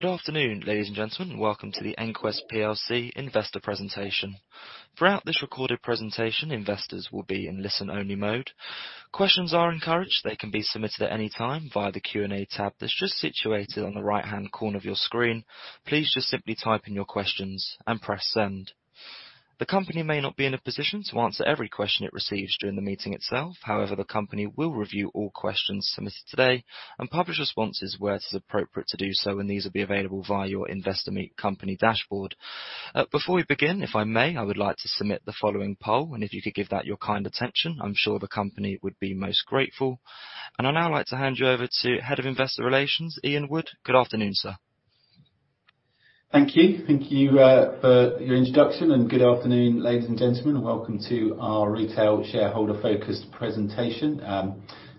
Good afternoon, ladies and gentlemen. Welcome to the EnQuest PLC investor presentation. Throughout this recorded presentation, investors will be in listen-only mode. Questions are encouraged. They can be submitted at any time via the Q&A tab that's just situated on the right-hand corner of your screen. Please just simply type in your questions and press Send. The company may not be in a position to answer every question it receives during the meeting itself. The company will review all questions submitted today and publish responses where it is appropriate to do so, and these will be available via your Investor Meet Company dashboard. Before we begin, if I may, I would like to submit the following poll, and if you could give that your kind attention, I'm sure the company would be most grateful. I'd now like to hand you over to Head of Investor Relations, Ian Wood. Good afternoon, sir. Thank you. Thank you for your introduction, good afternoon, ladies and gentlemen. Welcome to our retail shareholder-focused presentation.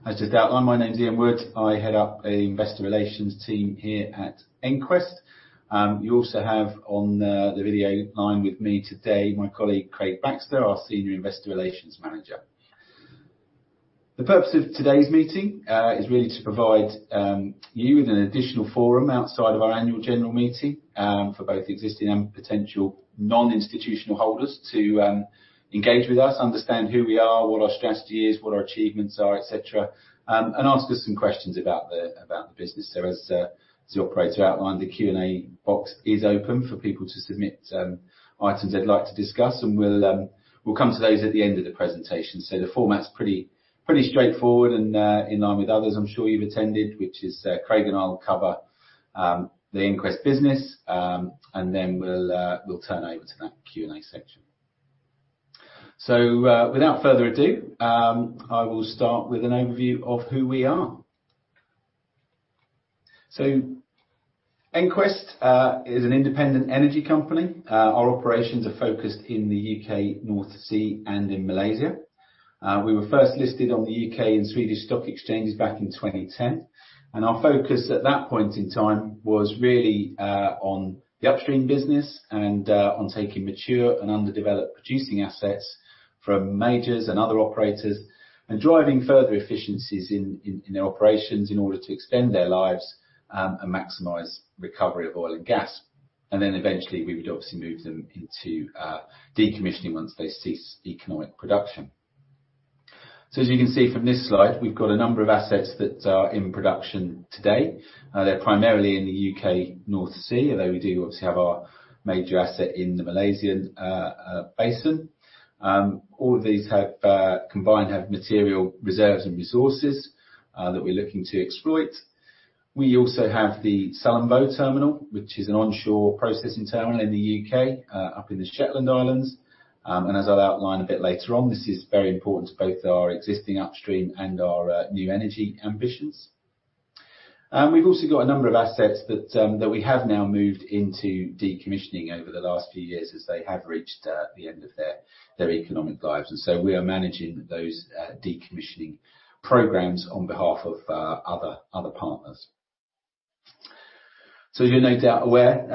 As just outlined, my name is Ian Wood. I head up a investor relations team here at EnQuest. You also have on the video line with me today, my colleague Craig Baxter, our Senior Investor Relations Manager. The purpose of today's meeting is really to provide you with an additional forum outside of our annual general meeting for both existing and potential non-institutional holders to engage with us, understand who we are, what our strategy is, what our achievements are, et cetera, ask us some questions about the business. As the operator outlined, the Q&A box is open for people to submit items they'd like to discuss, and we'll come to those at the end of the presentation. The format's pretty straightforward and in line with others I'm sure you've attended, which is Craig and I'll cover the EnQuest business, and then we'll turn over to that Q&A section. Without further ado, I will start with an overview of who we are. EnQuest is an independent energy company. Our operations are focused in the U.K., North Sea, and in Malaysia. We were first listed on the U.K. and Swedish stock exchanges back in 2010. Our focus at that point in time was really on the upstream business and on taking mature and underdeveloped producing assets from majors and other operators and driving further efficiencies in their operations in order to extend their lives and maximize recovery of oil and gas. Eventually we would obviously move them into decommissioning once they cease economic production. As you can see from this slide, we've got a number of assets that are in production today. They're primarily in the U.K. North Sea, although we do obviously have our major asset in the Malaysian basin. All of these have combined have material reserves and resources that we're looking to exploit. We also have the Sullom Voe Terminal, which is an onshore processing terminal in the U.K., up in the Shetland Islands. As I'll outline a bit later on, this is very important to both our existing upstream and our new energy ambitions. We've also got a number of assets that we have now moved into decommissioning over the last few years as they have reached the end of their economic lives. We are managing those decommissioning programs on behalf of other partners. You're no doubt aware,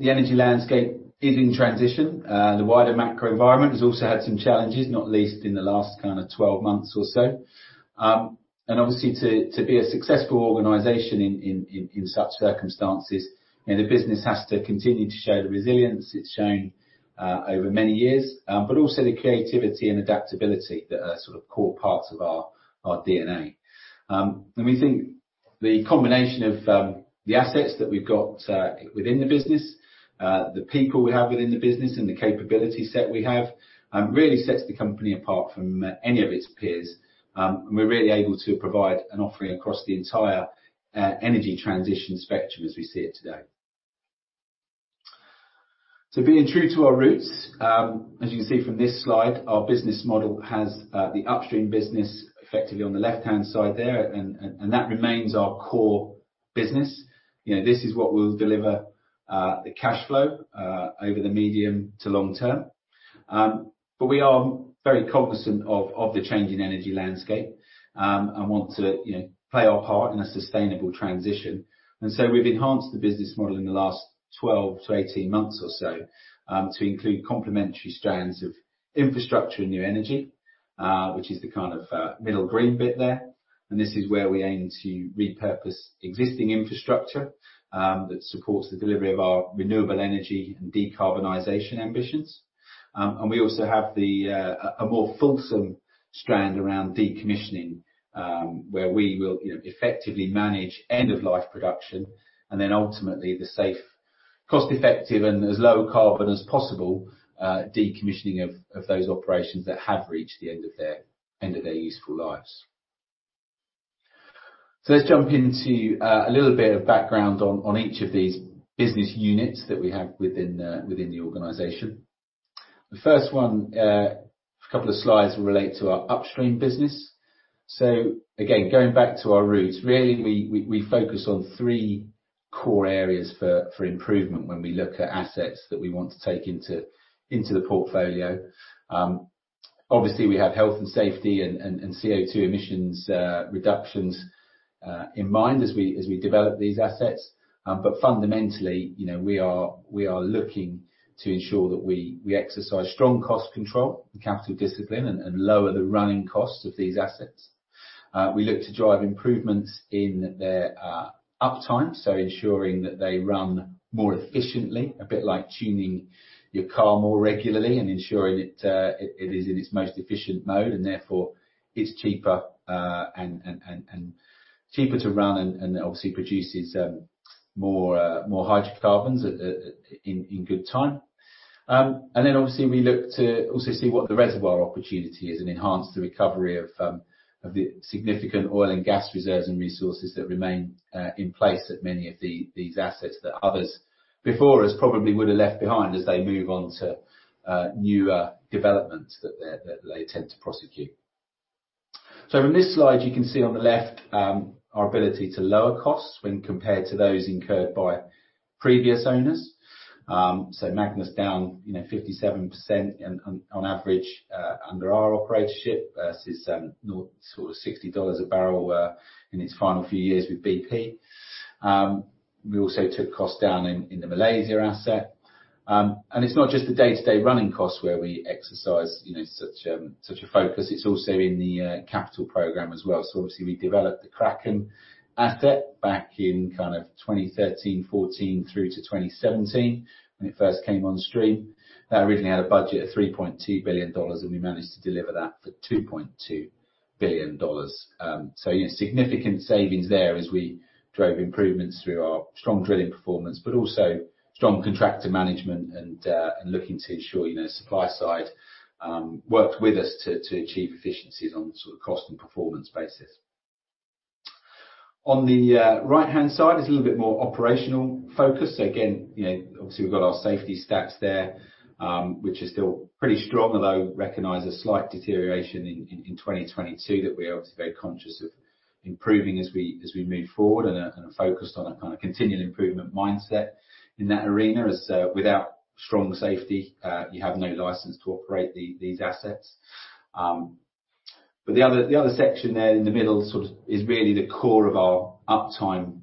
the energy landscape is in transition. The wider macro environment has also had some challenges, not least in the last kind of 12 months or so. Obviously to be a successful organization in such circumstances, you know, the business has to continue to show the resilience it's shown over many years, but also the creativity and adaptability that are sort of core parts of our DNA. We think the combination of the assets that we've got within the business, the people we have within the business and the capability set we have really sets the company apart from any of its peers. We're really able to provide an offering across the entire energy transition spectrum as we see it today. Being true to our roots, as you can see from this slide, our business model has the upstream business effectively on the left-hand side there and that remains our core business. You know, this is what will deliver the cash flow over the medium to long term. We are very cognizant of the change in energy landscape, and want to, you know, play our part in a sustainable transition. We've enhanced the business model in the last 12 to 18 months or so, to include complementary strands of infrastructure and new energy, which is the kind of middle green bit there. This is where we aim to repurpose existing infrastructure, that supports the delivery of our renewable energy and decarbonization ambitions. We also have the a more fulsome strand around decommissioning, where we will, you know, effectively manage end-of-life production, and then ultimately the safe, cost-effective and as low carbon as possible, decommissioning of those operations that have reached the end of their useful lives. Let's jump into a little bit of background on each of these business units that we have within the organization. The first one, a couple of slides relate to our upstream business. Again, going back to our roots, really we focus on three core areas for improvement when we look at assets that we want to take into the portfolio. Obviously, we have health and safety and CO2 emissions, reductions in mind as we develop these assets. fundamentally, you know, we are looking to ensure that we exercise strong cost control and capital discipline and lower the running costs of these assets. We look to drive improvements in their uptime, so ensuring that they run more efficiently, a bit like tuning your car more regularly and ensuring it is in its most efficient mode, and therefore it's cheaper and cheaper to run and obviously produces more hydrocarbons at in good time. Obviously we look to also see what the reservoir opportunity is and enhance the recovery of the significant oil and gas reserves and resources that remain in place at many of these assets that others before us probably would have left behind as they move on to newer developments that they tend to prosecute. In this slide, you can see on the left, our ability to lower costs when compared to those incurred by previous owners. Magnus down, you know, 57% on average under our operatorship versus sort of $60 a barrel in its final few years with BP. We also took costs down in the Malaysia asset. It's not just the day-to-day running costs where we exercise, you know, such a focus, it's also in the capital program as well. Obviously, we developed the Kraken asset back in kind of 2013, 2014 through to 2017 when it first came on stream. That originally had a budget of $3.2 billion, and we managed to deliver that for $2.2 billion. You know, significant savings there as we drove improvements through our strong drilling performance, but also strong contractor management and looking to ensure, you know, supply side worked with us to achieve efficiencies on sort of cost and performance basis. On the right-hand side is a little bit more operational focus. Again, you know, obviously we've got our safety stats there, which is still pretty strong, although recognize a slight deterioration in 2022 that we are obviously very conscious of improving as we move forward and are focused on a kind of continual improvement mindset in that arena. Without strong safety, you have no license to operate these assets. The other section there in the middle sort of is really the core of our uptime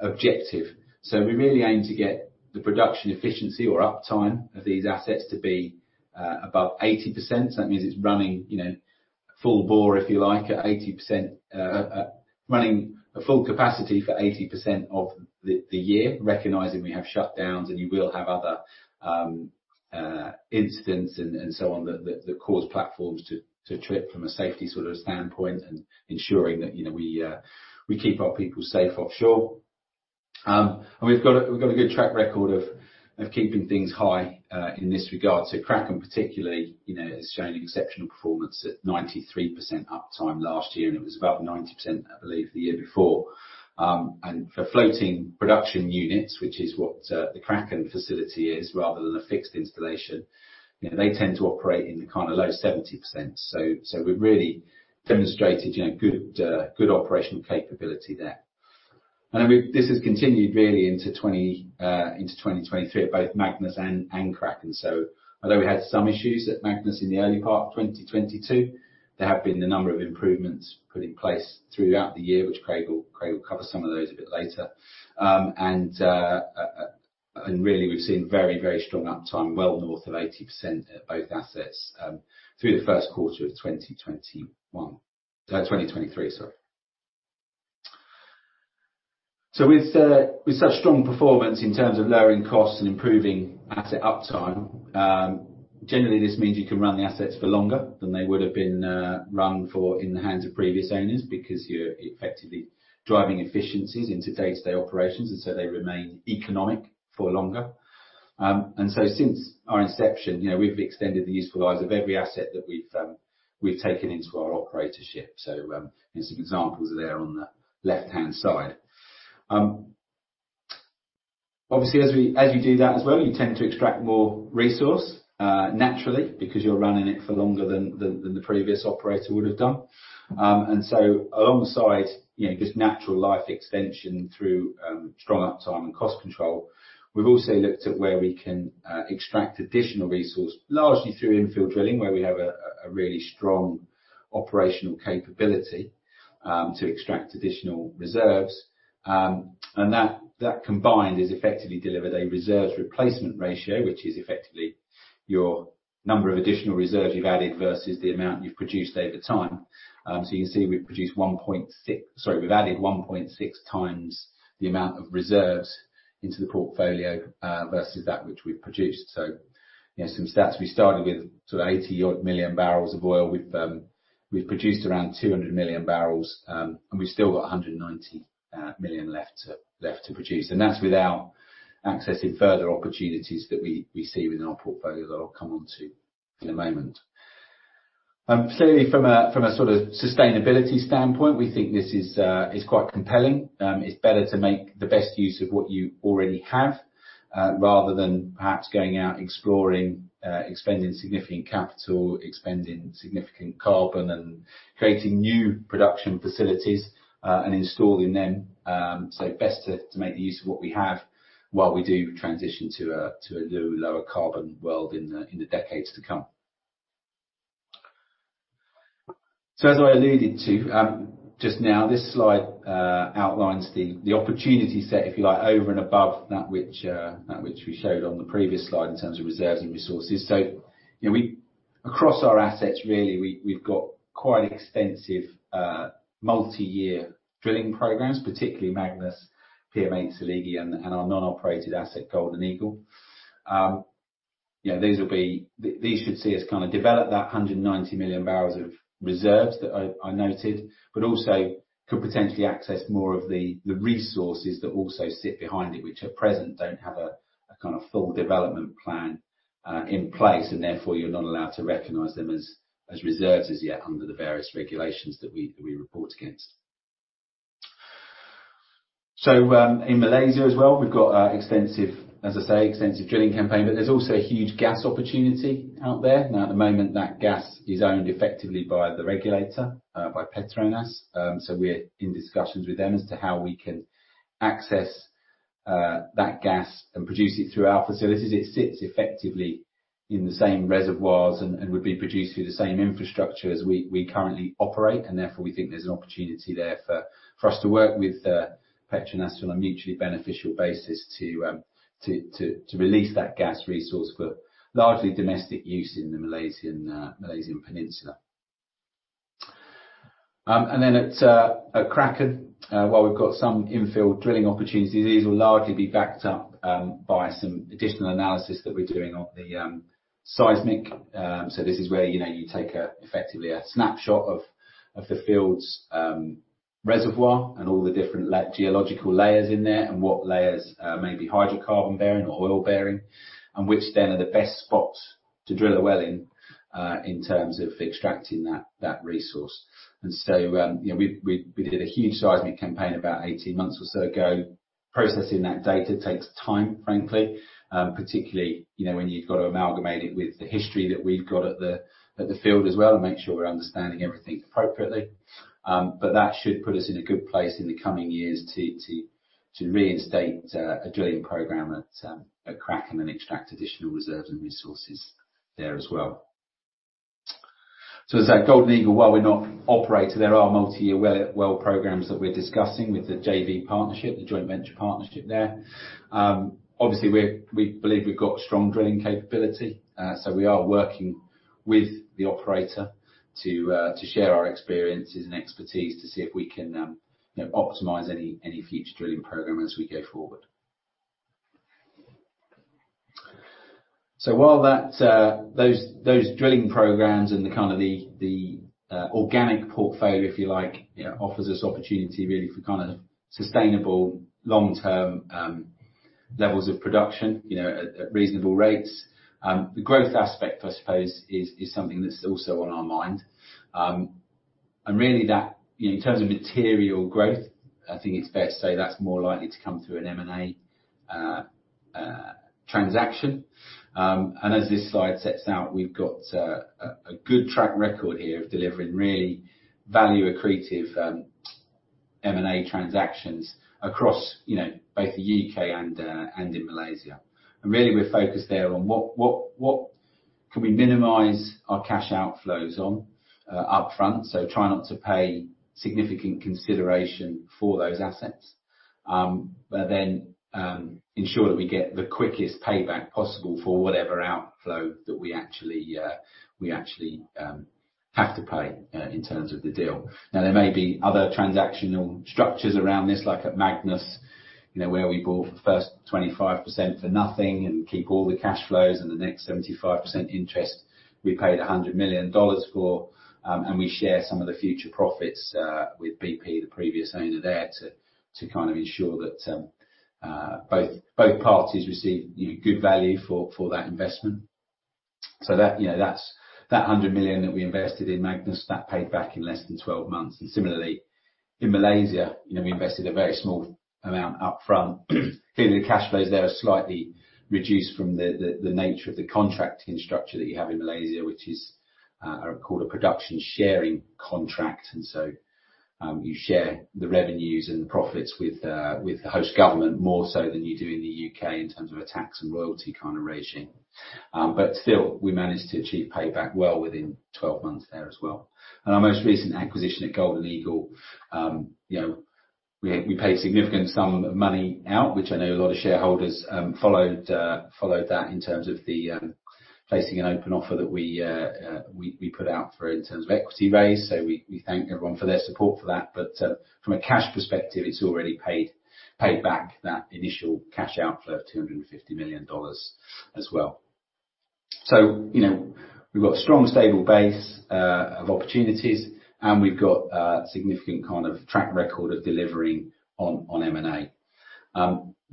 objective. We really aim to get the production efficiency or uptime of these assets to be above 80%. That means it's running, you know, full bore, if you like, at 80% running a full capacity for 80% of the year, recognizing we have shutdowns and you will have other incidents and so on that cause platforms to trip from a safety sort of standpoint and ensuring that, you know, we keep our people safe offshore. We've got a good track record of keeping things high in this regard. Kraken particularly, you know, has shown exceptional performance at 93% uptime last year, and it was about 90%, I believe, the year before. For floating production units, which is what the Kraken facility is, rather than a fixed installation, you know, they tend to operate in the kinda low 70%. We've really demonstrated, you know, good operational capability there. This has continued really into 2023 at both Magnus and Kraken. Although we had some issues at Magnus in the early part of 2022, there have been a number of improvements put in place throughout the year, which Craig will cover some of those a bit later. Really, we've seen very, very strong uptime, well north of 80% at both assets, through the first quarter of 2021, 2023, sorry. With such strong performance in terms of lowering costs and improving asset uptime, generally this means you can run the assets for longer than they would have been run for in the hands of previous owners because you're effectively driving efficiencies into day-to-day operations, they remain economic for longer. Since our inception, you know, we've extended the useful lives of every asset that we've taken into our operatorship. There's some examples there on the left-hand side. Obviously, as we do that as well, you tend to extract more resource, naturally because you're running it for longer than the previous operator would have done. Alongside, you know, just natural life extension through strong uptime and cost control, we've also looked at where we can extract additional resource, largely through infill drilling, where we have a really strong operational capability to extract additional reserves. That, that combined has effectively delivered a reserves replacement ratio, which is effectively your number of additional reserves you've added versus the amount you've produced over time. You can see we've produced 1.6, sorry, we've added 1.6x the amount of reserves into the portfolio versus that which we've produced. Yeah, some stats, we started with sort of 80 odd million bbl of oil. We've produced around 200 million bbl, and we've still got 190 million left to, left to produce. That's without accessing further opportunities that we see within our portfolio that I'll come onto in a moment. Clearly from a sort of sustainability standpoint, we think this is quite compelling. It's better to make the best use of what you already have, rather than perhaps going out exploring, expending significant capital, expending significant carbon and creating new production facilities, and installing them. Best to make use of what we have while we do transition to a low, lower carbon world in the decades to come. As I alluded to just now, this slide outlines the opportunity set, if you like, over and above that which we showed on the previous slide in terms of reserves and resources. You know, we across our assets, really, we've got quite extensive, multi-year drilling programs, particularly Magnus, PM8/Seligi, and our non-operated asset, Golden Eagle. You know, these should see us kind of develop that 190 million bbl of reserves that I noted, but also could potentially access more of the resources that also sit behind it, which at present don't have a kind of full development plan in place, and therefore, you're not allowed to recognize them as reserves as yet under the various regulations that we report against. In Malaysia as well, we've got extensive, as I say, extensive drilling campaign, but there's also a huge gas opportunity out there. At the moment, that gas is owned effectively by the regulator, by Petronas. We're in discussions with them as to how we can access that gas and produce it through our facilities. It sits effectively in the same reservoirs and would be produced through the same infrastructure as we currently operate. Therefore, we think there's an opportunity there for us to work with Petronas on a mutually beneficial basis to release that gas resource for largely domestic use in the Malaysian peninsula. At Kraken, while we've got some infill drilling opportunities, these will largely be backed up by some additional analysis that we're doing on the seismic. This is where, you know, you take effectively a snapshot of the field's reservoir and all the different geological layers in there, and what layers may be hydrocarbon-bearing or oil-bearing, and which then are the best spots to drill a well in in terms of extracting that resource. You know, we did a huge seismic campaign about 18 months or so ago. Processing that data takes time, frankly, particularly, you know, when you've got to amalgamate it with the history that we've got at the field as well and make sure we're understanding everything appropriately. That should put us in a good place in the coming years to reinstate a drilling program at Kraken and extract additional reserves and resources there as well. As at Golden Eagle, while we're not operator, there are multi-year well programs that we're discussing with the JV partnership, the joint venture partnership there. Obviously, we believe we've got strong drilling capability, so we are working with the operator to share our experiences and expertise to see if we can, you know, optimize any future drilling program as we go forward. While that, those drilling programs and the kind of the organic portfolio, if you like, you know, offers us opportunity really for kind of sustainable long-term levels of production, you know, at reasonable rates, the growth aspect, I suppose is something that's also on our mind. Really that, in terms of material growth, I think it's fair to say that's more likely to come through an M&A transaction. As this slide sets out, we've got a good track record here of delivering really value-accretive M&A transactions across, you know, both the U.K. and in Malaysia. Really, we're focused there on what can we minimize our cash outflows on up front. Try not to pay significant consideration for those assets, ensure that we get the quickest payback possible for whatever outflow that we actually have to pay in terms of the deal. There may be other transactional structures around this, like at Magnus, you know, where we bought the first 25% for nothing and keep all the cash flows, and the next 75% interest we paid $100 million for, and we share some of the future profits with BP, the previous owner there, to kind of ensure that both parties receive, you know, good value for that investment. So that, you know, that's, that $100 million that we invested in Magnus, that paid back in less than 12 months. Similarly, in Malaysia, you know, we invested a very small amount upfront. Clearly, the cash flows there are slightly reduced from the nature of the contracting structure that you have in Malaysia, which is called a production sharing contract. You share the revenues and the profits with the host government more so than you do in the U.K. in terms of a tax and royalty kind of regime. Still, we managed to achieve payback well within 12 months there as well. Our most recent acquisition at Golden Eagle, you know, we paid a significant sum of money out, which I know a lot of shareholders followed that in terms of the placing an open offer that we put out for in terms of equity raise. We thank everyone for their support for that. From a cash perspective, it's already paid back that initial cash outflow of $250 million as well. You know, we've got a strong, stable base of opportunities, and we've got a significant kind of track record of delivering on M&A.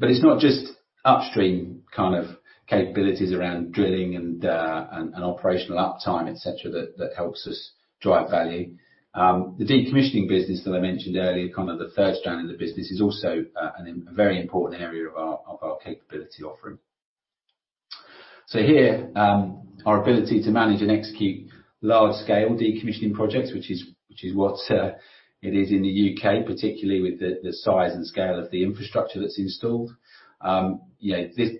It's not just upstream kind of capabilities around drilling and operational uptime, et cetera, that helps us drive value. The decommissioning business that I mentioned earlier, kind of the third strand of the business, is also a very important area of our capability offering. Here, our ability to manage and execute large-scale decommissioning projects, which is what it is in the U.K., particularly with the size and scale of the infrastructure that's installed. you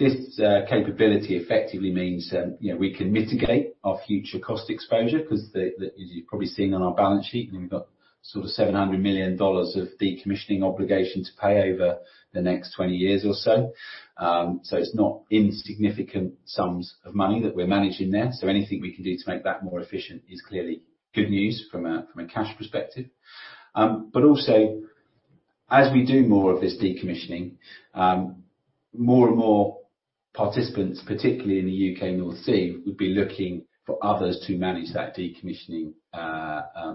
know, this capability effectively means that, you know, we can mitigate our future cost exposure 'cause the, as you've probably seen on our balance sheet, we've got sort of $700 million of decommissioning obligation to pay over the next 20 years or so. It's not insignificant sums of money that we're managing there, so anything we can do to make that more efficient is clearly good news from a, from a cash perspective. Also as we do more of this decommissioning, more and more participants, particularly in the U.K. North Sea, would be looking for others to manage that decommissioning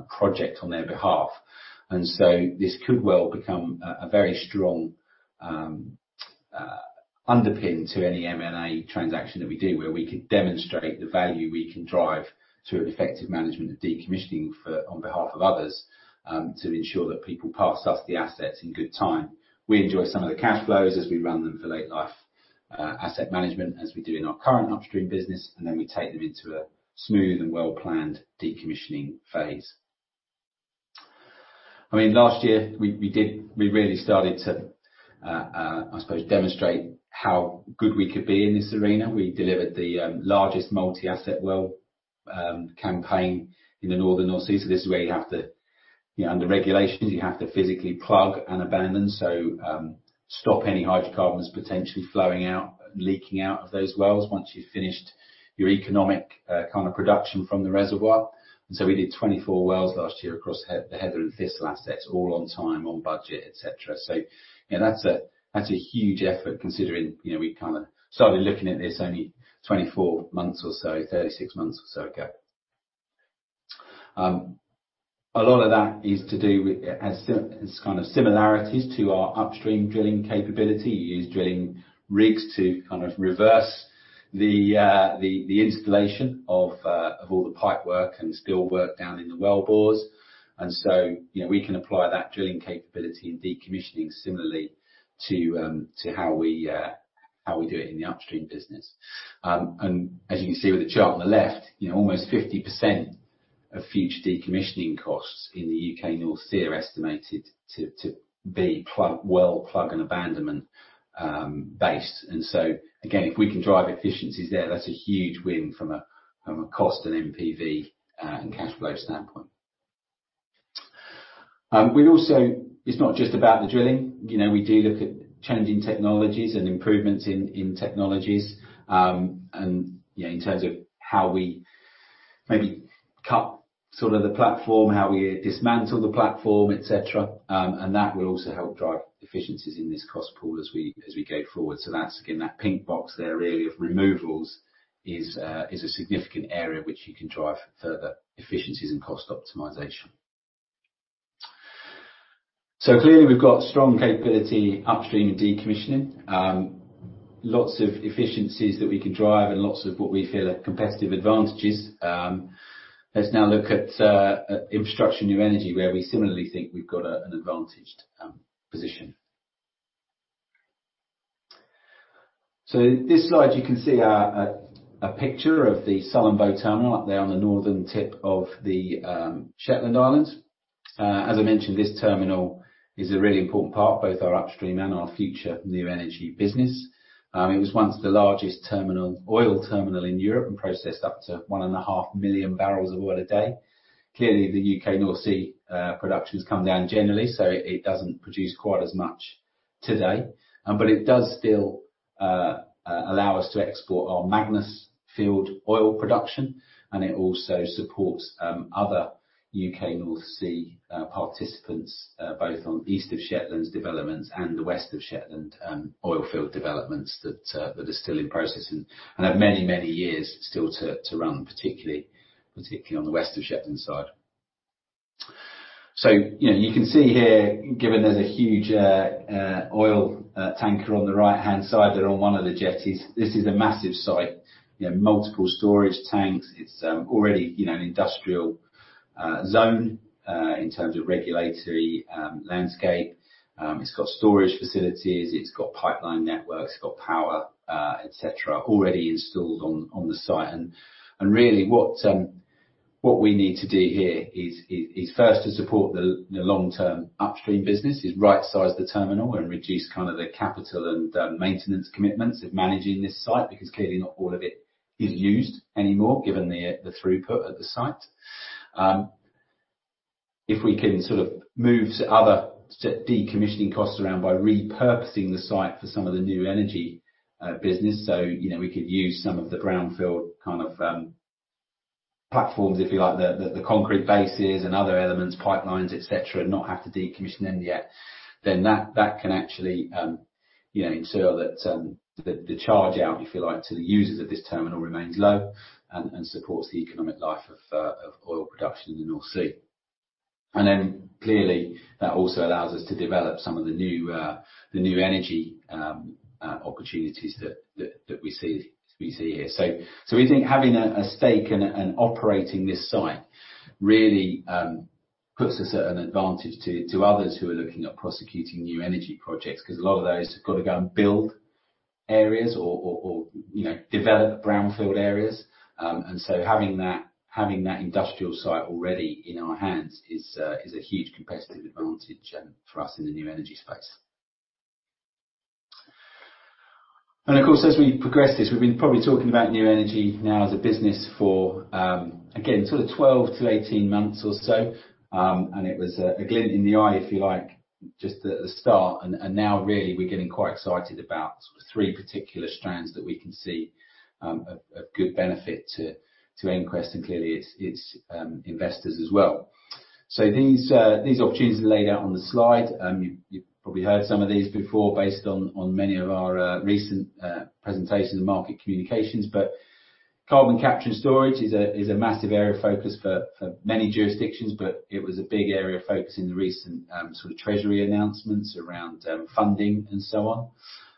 project on their behalf. This could well become a very strong underpin to any M&A transaction that we do where we could demonstrate the value we can drive through effective management of decommissioning for on behalf of others to ensure that people pass us the assets in good time. We enjoy some of the cash flows as we run them for late life asset management as we do in our current upstream business, and then we take them into a smooth and well-planned decommissioning phase. I mean, last year we really started to I suppose, demonstrate how good we could be in this arena. We delivered the largest multi-asset well campaign in the northern North Sea. This is where you have to, you know, under regulations, you have to physically plug and abandon, so stop any hydrocarbons potentially flowing out, leaking out of those wells once you've finished your economic kind of production from the reservoir. We did 24 wells last year across the Heather and Thistle assets, all on time, on budget, et cetera. You know, that's a huge effort considering, you know, we kind of started looking at this only 24 months or so, 36 months or so ago. A lot of that is to do with it has it's kind of similarities to our upstream drilling capability. You use drilling rigs to kind of reverse the installation of all the pipework and steel work down in the well bores. You know, we can apply that drilling capability and decommissioning similarly to how we do it in the upstream business. As you can see with the chart on the left, you know, almost 50% of future decommissioning costs in the U.K. North Sea are estimated to be plug, well plug and abandonment based. Again, if we can drive efficiencies there, that's a huge win from a cost and NPV and cash flow standpoint. We also, it's not just about the drilling. You know, we do look at changing technologies and improvements in technologies, in terms of how we maybe cut sort of the platform, how we dismantle the platform, et cetera. That will also help drive efficiencies in this cost pool as we go forward. That's again, that pink box there really of removals is a significant area which you can drive further efficiencies and cost optimization. Clearly we've got strong capability upstream and decommissioning. Lots of efficiencies that we can drive and lots of what we feel are competitive advantages. Let's now look at infrastructure new energy where we similarly think we've got an advantaged position. This slide you can see a picture of the Sullom Voe Terminal up there on the northern tip of the Shetland Islands. As I mentioned, this terminal is a really important part, both our upstream and our future new energy business. It was once the largest terminal, oil terminal in Europe and processed up to 1.5 million bbl of oil a day. Clearly, the U.K. North Sea production has come down generally, it doesn't produce quite as much today. It does still allow us to export our Magnus field oil production, and it also supports other U.K. North Sea participants, both on east of Shetland developments and the west of Shetland oil field developments that are still in processing and have many, many years still to run, particularly on the west of Shetland side. You know, you can see here, given there's a huge oil tanker on the right-hand side there on one of the jetties. This is a massive site, you know, multiple storage tanks. It's already, you know, an industrial zone in terms of regulatory landscape. It's got storage facilities, it's got pipeline networks, it's got power, et cetera, already installed on the site. Really what we need to do here is first to support the long-term upstream business, is right-size the terminal and reduce kind of the capital and maintenance commitments of managing this site, because clearly not all of it is used anymore, given the throughput at the site. If we can sort of move other decommissioning costs around by repurposing the site for some of the new energy business. You know, we could use some of the brownfield kind of platforms, if you like, the concrete bases and other elements, pipelines, et cetera, and not have to decommission them yet, then that can actually, you know, ensure that the charge out, if you like, to the users of this terminal remains low and supports the economic life of oil production in the North Sea. Clearly that also allows us to develop some of the new, the new energy opportunities that we see here. We think having a stake and operating this site really puts us at an advantage to others who are looking at prosecuting new energy projects, 'cause a lot of those have gotta go and build areas You know, develop brownfield areas. Having that industrial site already in our hands is a huge competitive advantage for us in the new energy space. Of course, as we progress this, we've been probably talking about new energy now as a business for again sort of 12 to 18 months or so. It was a glint in the eye, if you like, just at the start and now really we're getting quite excited about three particular strands that we can see, of good benefit to EnQuest and clearly its investors as well. These opportunities are laid out on the slide. You've probably heard some of these before based on many of our recent presentations and market communications. Carbon capture and storage is a massive area of focus for many jurisdictions, but it was a big area of focus in the recent sort of treasury announcements around funding and so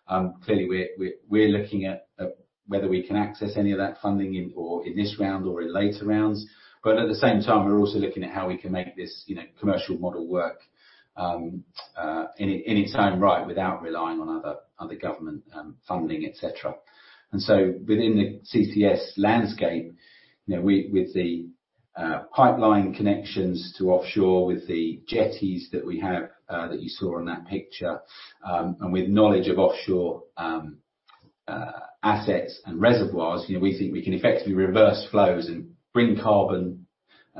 on. Clearly we're looking at whether we can access any of that funding in or in this round or in later rounds. At the same time, we're also looking at how we can make this, you know, commercial model work in its own right, without relying on other government funding, et cetera. Within the CCS landscape, you know, with the pipeline connections to offshore with the jetties that we have, that you saw on that picture, and with knowledge of offshore assets and reservoirs, you know, we think we can effectively reverse flows and bring carbon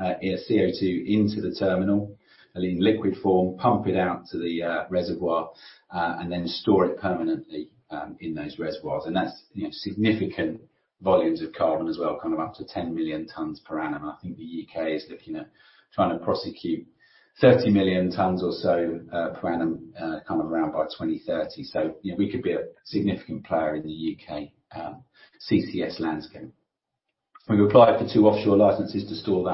CO2 into the terminal, and in liquid form, pump it out to the reservoir and then store it permanently in those reservoirs. That's, you know, significant volumes of carbon as well, kind of up to 10 million tons per annum. I think the U.K. is looking at trying to prosecute 30 million tons or so, per annum, kind of around by 2030. You know, we could be a significant player in the U.K. CCS landscape. We've applied for two offshore licenses to store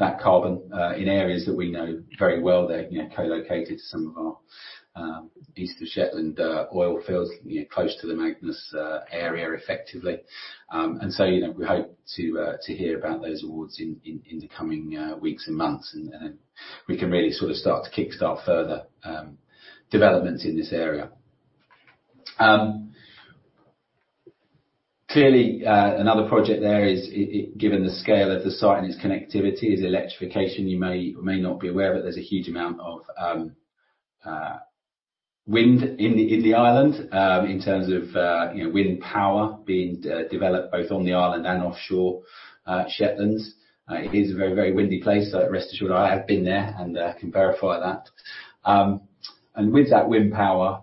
that carbon in areas that we know very well. They're, you know, co-located to some of our east of the Shetland oil fields, you know, close to the Magnus area, effectively. You know, we hope to hear about those awards in the coming weeks and months, and we can really sort of start to kickstart further developments in this area. Clearly, another project there is, given the scale of the site and its connectivity is electrification. You may or may not be aware, but there's a huge amount of wind in the island, in terms of, you know, wind power being de-developed both on the island and offshore Shetland Islands. It is a very, very windy place, so rest assured I have been there and can verify that. With that wind power,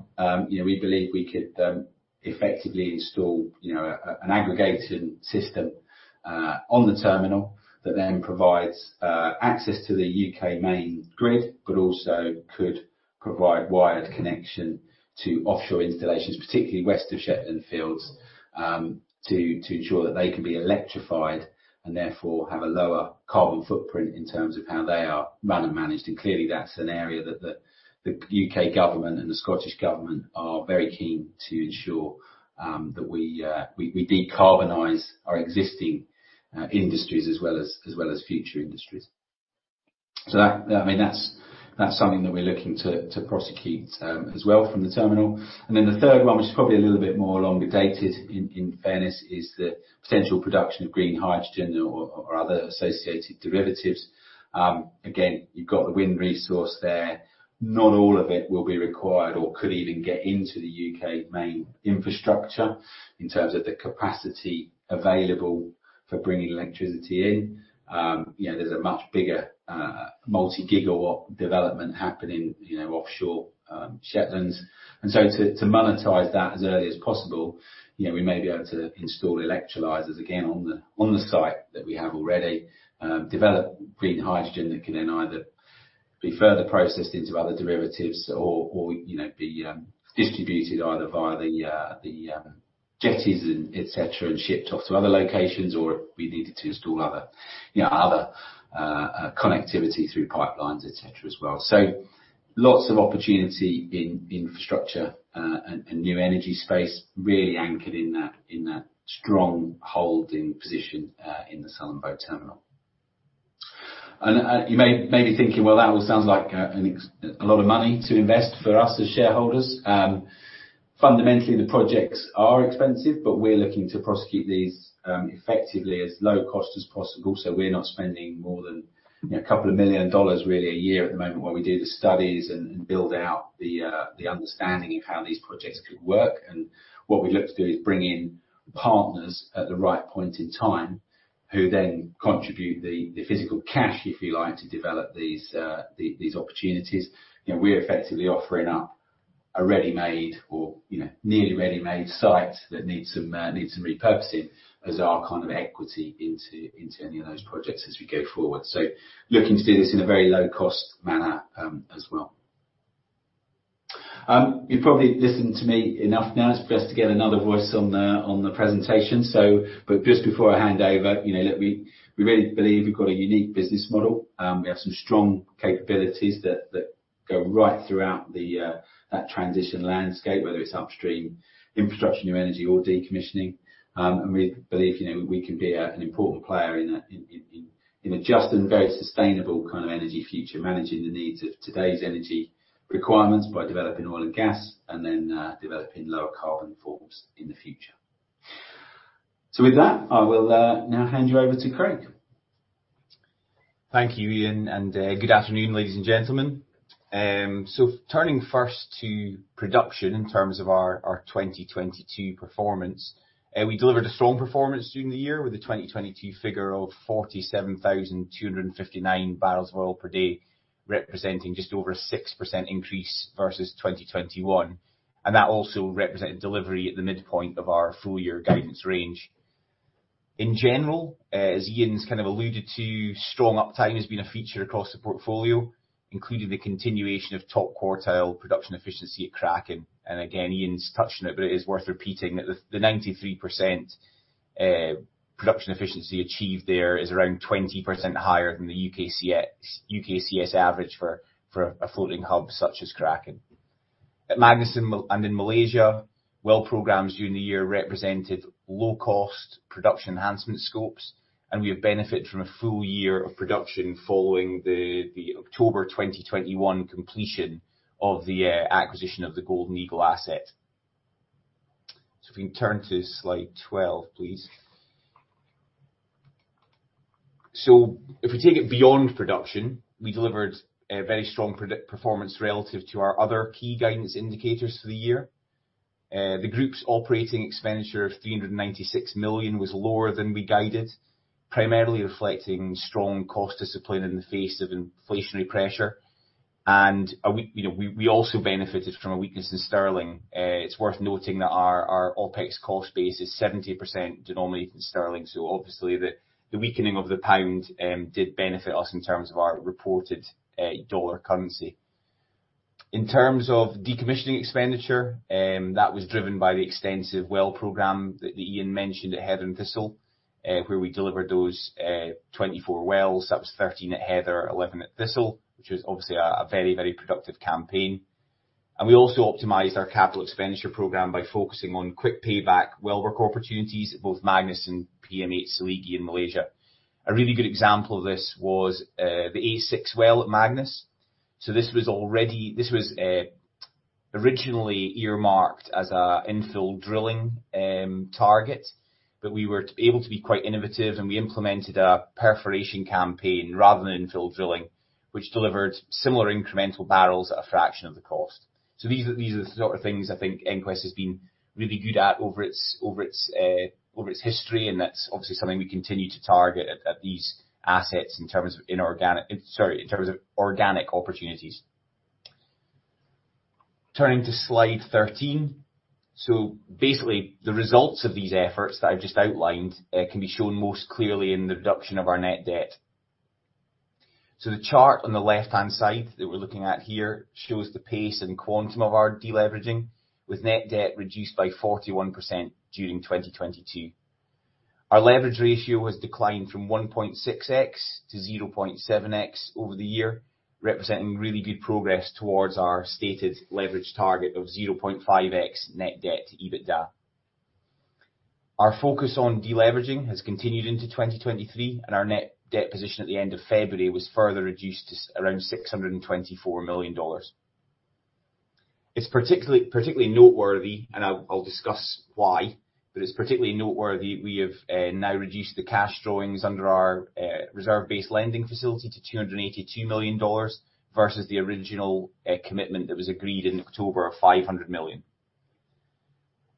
you know, we believe we could effectively install, you know, an aggregating system on the terminal that then provides access to the U.K. main grid, but also could provide wired connection to offshore installations, particularly west of Shetland fields, to ensure that they can be electrified and therefore have a lower carbon footprint in terms of how they are run and managed. Clearly that's an area that the U.K. Government and the Scottish Government are very keen to ensure that we decarbonize our existing industries as well as future industries. That, I mean, that's something that we're looking to prosecute as well from the terminal. The third one, which is probably a little bit more longer dated in fairness, is the potential production of green hydrogen or other associated derivatives. Again, you've got the wind resource there. Not all of it will be required or could even get into the U.K. main infrastructure in terms of the capacity available for bringing electricity in. You know, there's a much bigger multi-gigawatt development happening, you know, offshore Shetlands. To monetize that as early as possible, you know, we may be able to install electrolyzers again on the site that we have already. Develop green hydrogen that can then either be further processed into other derivatives or, you know, be distributed either via the jetties and et cetera, and shipped off to other locations, or if we needed to install other, you know, other connectivity through pipelines, et cetera as well. Lots of opportunity in infrastructure, and new energy space really anchored in that strong holding position, in the Sullom Voe Terminal. You may be thinking, "Well, that all sounds like a lot of money to invest for us as shareholders." Fundamentally, the projects are expensive, but we're looking to prosecute these effectively as low cost as possible. We're not spending more than, you know, a couple of million dollars really a year at the moment while we do the studies and build out the understanding of how these projects could work. What we look to do is bring in partners at the right point in time who then contribute the physical cash, if you like, to develop these opportunities. You know, we're effectively offering up a ready-made or you know, nearly ready-made site that needs some repurposing as our kind of equity into any of those projects as we go forward. Looking to do this in a very low cost manner as well. You've probably listened to me enough now. It's best to get another voice on the, on the presentation. Just before I hand over, you know, look, we really believe we've got a unique business model. We have some strong capabilities that go right throughout the that transition landscape, whether it's upstream infrastructure, new energy or decommissioning. And we believe, you know, we can be an important player in a just and very sustainable kind of energy future, managing the needs of today's energy requirements by developing oil and gas and then developing lower carbon forms in the future. With that, I will now hand you over to Craig. Thank you, Ian, and good afternoon, ladies and gentlemen. Turning first to production in terms of our 2022 performance, we delivered a strong performance during the year with a 2022 figure of 47,259 bbl of oil per day, representing just over a 6% increase versus 2021. That also represented delivery at the midpoint of our full year guidance range. In general, as Ian's kind of alluded to, strong uptime has been a feature across the portfolio, including the continuation of top quartile production efficiency at Kraken. Again, Ian's touched on it, but it is worth repeating that the 93% production efficiency achieved there is around 20% higher than the UKCS average for a floating hub such as Kraken. At Magnus and in Malaysia, well programs during the year represented low cost production enhancement scopes, and we have benefited from a full year of production following the October 2021 completion of the acquisition of the Golden Eagle asset. If we can turn to slide 12, please. If we take it beyond production, we delivered a very strong performance relative to our other key guidance indicators for the year. The group's operating expenditure of 396 million was lower than we guided, primarily reflecting strong cost discipline in the face of inflationary pressure. We, you know, we also benefited from a weakness in sterling. It's worth noting that our OpEx cost base is 70% denominated in sterling, so obviously the weakening of the pound did benefit us in terms of our reported dollar currency. In terms of decommissioning expenditure, that was driven by the extensive well program that Ian mentioned at Heather and Thistle, where we delivered those 24 wells. That was 13 at Heather, 11 at Thistle, which was obviously a very, very productive campaign. We also optimized our capital expenditure program by focusing on quick payback well work opportunities at both Magnus and PM8 Seligi in Malaysia. A really good example of this was the A6 well at Magnus. This was originally earmarked as a infill drilling target, but we were able to be quite innovative, and we implemented a perforation campaign rather than infill drilling, which delivered similar incremental barrels at a fraction of the cost. These are the sort of things I think EnQuest has been really good at over its history, and that's obviously something we continue to target at these assets in terms of organic opportunities. Turning to slide 13. Basically, the results of these efforts that I've just outlined can be shown most clearly in the reduction of our net debt. The chart on the left-hand side that we're looking at here shows the pace and quantum of our de-leveraging, with net debt reduced by 41% during 2022. Our leverage ratio has declined from 1.6x to 0.7x over the year, representing really good progress towards our stated leverage target of 0.5x net debt to EBITDA. Our focus on de-leveraging has continued into 2023, and our net debt position at the end of February was further reduced to around $624 million. It's particularly noteworthy, and I'll discuss why, but it's particularly noteworthy we have now reduced the cash drawings under our reserve-based lending facility to $282 million versus the original commitment that was agreed in October of $500 million.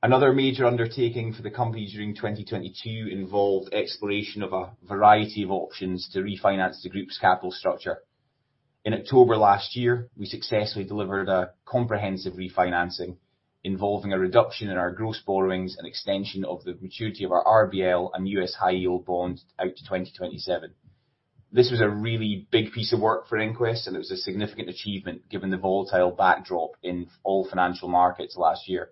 Another major undertaking for the company during 2022 involved exploration of a variety of options to refinance the group's capital structure. In October last year, we successfully delivered a comprehensive refinancing involving a reduction in our gross borrowings and extension of the maturity of our RBL and U.S. high yield bonds out to 2027. This was a really big piece of work for EnQuest. It was a significant achievement given the volatile backdrop in all financial markets last year.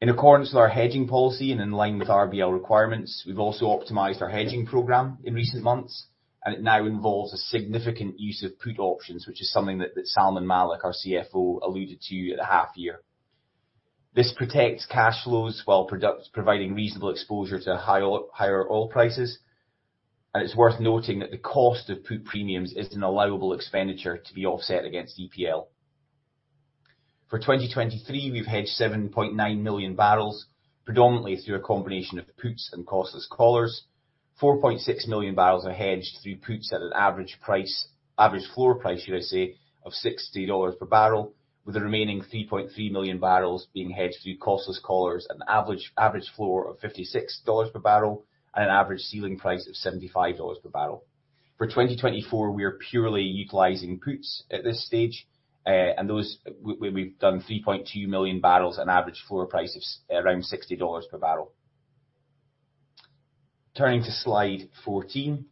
In accordance with our hedging policy and in line with RBL requirements, we've also optimized our hedging program in recent months. It now involves a significant use of put options, which is something that Salman Malik, our CFO, alluded to at the half year. This protects cash flows while providing reasonable exposure to higher oil prices. It's worth noting that the cost of put premiums is an allowable expenditure to be offset against EPL. For 2023, we've hedged 7.9 million bbl, predominantly through a combination of puts and costless collars. 4.6 million bbl are hedged through puts at an average floor price of $60 per barrel, with the remaining 3.3 million bbl being hedged through costless collars at an average floor of $56 per barrel and an average ceiling price of $75 per barrel. For 2024, we are purely utilizing puts at this stage, and those we've done 3.2 million bbl at an average floor price around $60 per barrel. Turning to slide 14.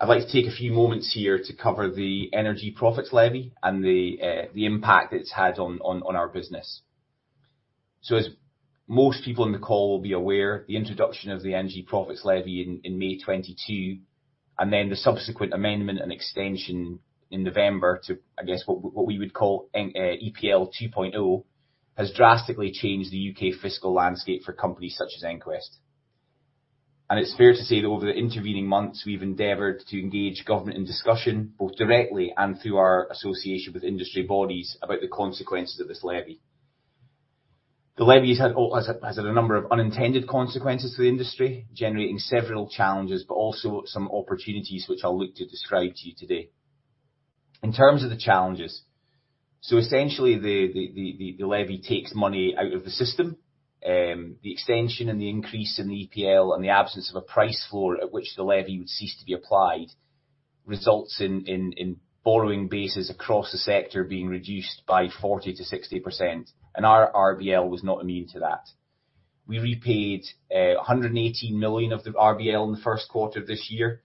I'd like to take a few moments here to cover the Energy Profits Levy and the impact it's had on our business. As most people on the call will be aware, the introduction of the Energy Profits Levy in May 2022 and then the subsequent amendment and extension in November to, I guess what we would call EPL 2.0 has drastically changed the U.K. fiscal landscape for companies such as EnQuest. It's fair to say that over the intervening months, we've endeavored to engage government in discussion, both directly and through our association with industry bodies about the consequences of this levy. The levy has had a number of unintended consequences to the industry, generating several challenges, but also some opportunities which I'll look to describe to you today. In terms of the challenges, essentially the levy takes money out of the system. The extension and the increase in the EPL and the absence of a price floor at which the levy would cease to be applied results in borrowing bases across the sector being reduced by 40%-60%, and our RBL was not immune to that. We repaid $118 million of the RBL in the first quarter of this year,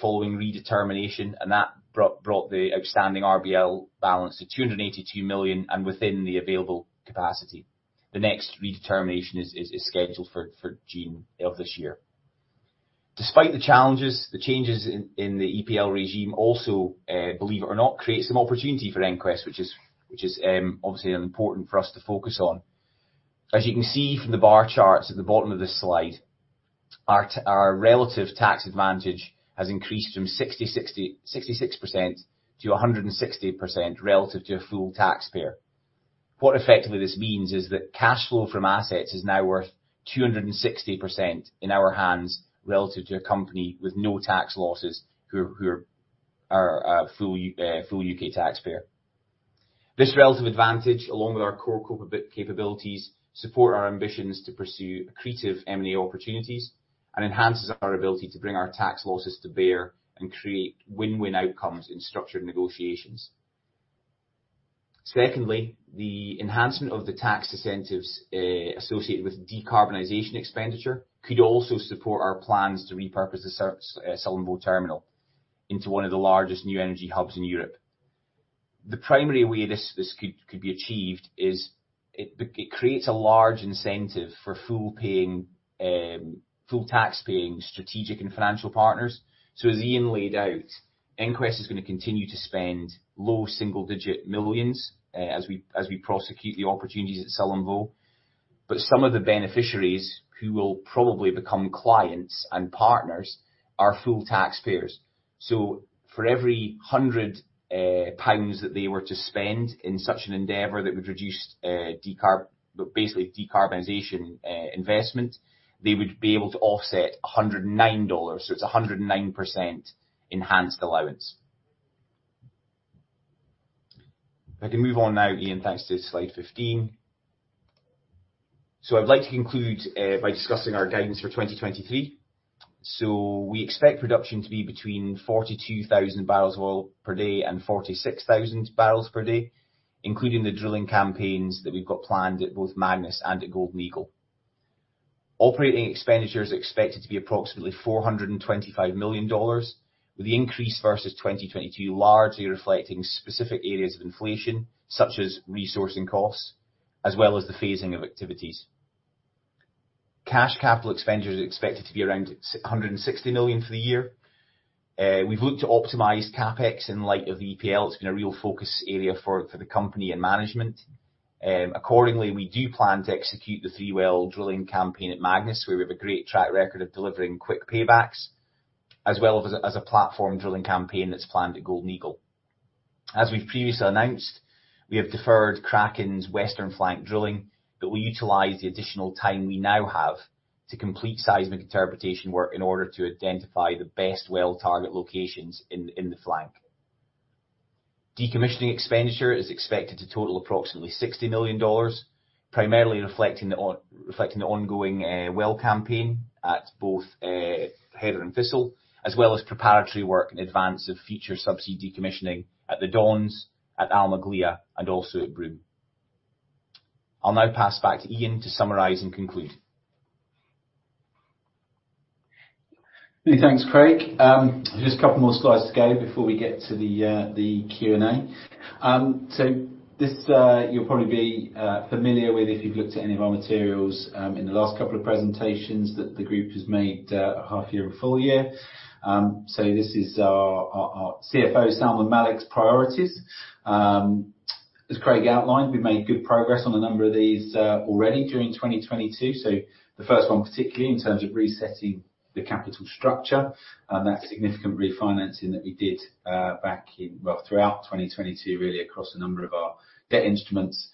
following redetermination, and that brought the outstanding RBL balance to $282 million and within the available capacity. The next redetermination is scheduled for June of this year. Despite the challenges, the changes in the EPL regime also, believe it or not, create some opportunity for EnQuest, which is obviously important for us to focus on. As you can see from the bar charts at the bottom of this slide, our relative tax advantage has increased from 66% to 160% relative to a full taxpayer. Effectively this means cash flow from assets is now worth 260% in our hands relative to a company with no tax losses who are full U.K. taxpayer. This relative advantage, along with our core capabilities, support our ambitions to pursue accretive M&A opportunities and enhances our ability to bring our tax losses to bear and create win-win outcomes in structured negotiations. The enhancement of the tax incentives associated with decarbonization expenditure could also support our plans to repurpose the Sullom Voe Terminal into one of the largest new energy hubs in Europe. The primary way this could be achieved is it creates a large incentive for full paying, full tax-paying strategic and financial partners. As Ian laid out, EnQuest is gonna continue to spend low single digit millions as we prosecute the opportunities at Sullom Voe. Some of the beneficiaries who will probably become clients and partners are full taxpayers. For every 100 pounds that they were to spend in such an endeavor that would reduce basically decarbonization investment, they would be able to offset $109, so it's a 109% enhanced allowance. If I can move on now, Ian, thanks, to slide 15. I'd like to conclude by discussing our guidance for 2023. We expect production to be between 42,000 bbl of oil per day and 46,000 bbl per day, including the drilling campaigns that we've got planned at both Magnus and at Golden Eagle. Operating expenditures are expected to be approximately $425 million, with the increase versus 2022 largely reflecting specific areas of inflation, such as resourcing costs, as well as the phasing of activities. Cash capital expenditures are expected to be around $160 million for the year. We've looked to optimize CapEx in light of the EPL. It's been a real focus area for the company and management. Accordingly, we do plan to execute the three-well drilling campaign at Magnus, where we have a great track record of delivering quick paybacks, as well as a platform drilling campaign that's planned at Golden Eagle. As we've previously announced, we have deferred Kraken's western flank drilling, but we'll utilize the additional time we now have to complete seismic interpretation work in order to identify the best well target locations in the flank. Decommissioning expenditure is expected to total approximately $60 million, primarily reflecting the ongoing well campaign at both Heather and Thistle, as well as preparatory work in advance of future sub-sea decommissioning at the Dons, at Alma/Galia, and also at Broom. I'll now pass back to Ian to summarize and conclude. Many thanks, Craig. Just a couple more slides to go before we get to the Q&A. This you'll probably be familiar with if you've looked at any of our materials in the last couple of presentations that the group has made, half year and full year. This is our CFO, Salman Malik's priorities. As Craig outlined, we've made good progress on a number of these already during 2022. The first one, particularly in terms of resetting the capital structure, and that's significant refinancing that we did throughout 2022 really, across a number of our debt instruments,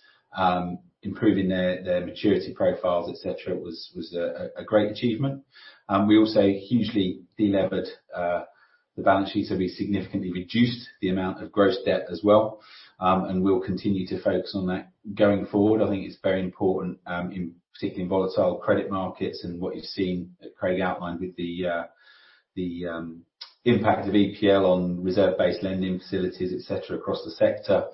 improving their maturity profiles, et cetera, was a great achievement. We also hugely delevered the balance sheet, so we significantly reduced the amount of gross debt as well. We'll continue to focus on that going forward. I think it's very important, in particularly in volatile credit markets and what you've seen Craig outline with the impact of EPL on reserve-based lending facilities, et cetera, across the sector.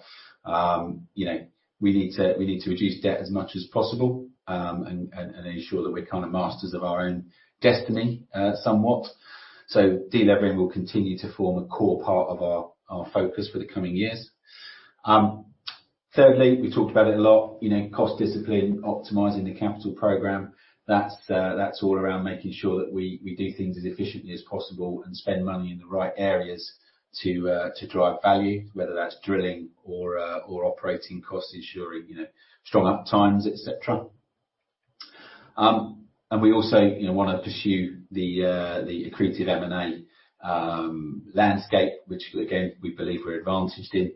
You know, we need to reduce debt as much as possible, and ensure that we're kind of masters of our own destiny, somewhat. Delevering will continue to form a core part of our focus for the coming years. Thirdly, we talked about it a lot, you know, cost discipline, optimizing the capital program. That's all around making sure that we do things as efficiently as possible and spend money in the right areas to drive value, whether that's drilling or operating costs, ensuring, you know, strong up times, et cetera. We also, you know, want to pursue the accretive M&A landscape, which again, we believe we're advantaged in.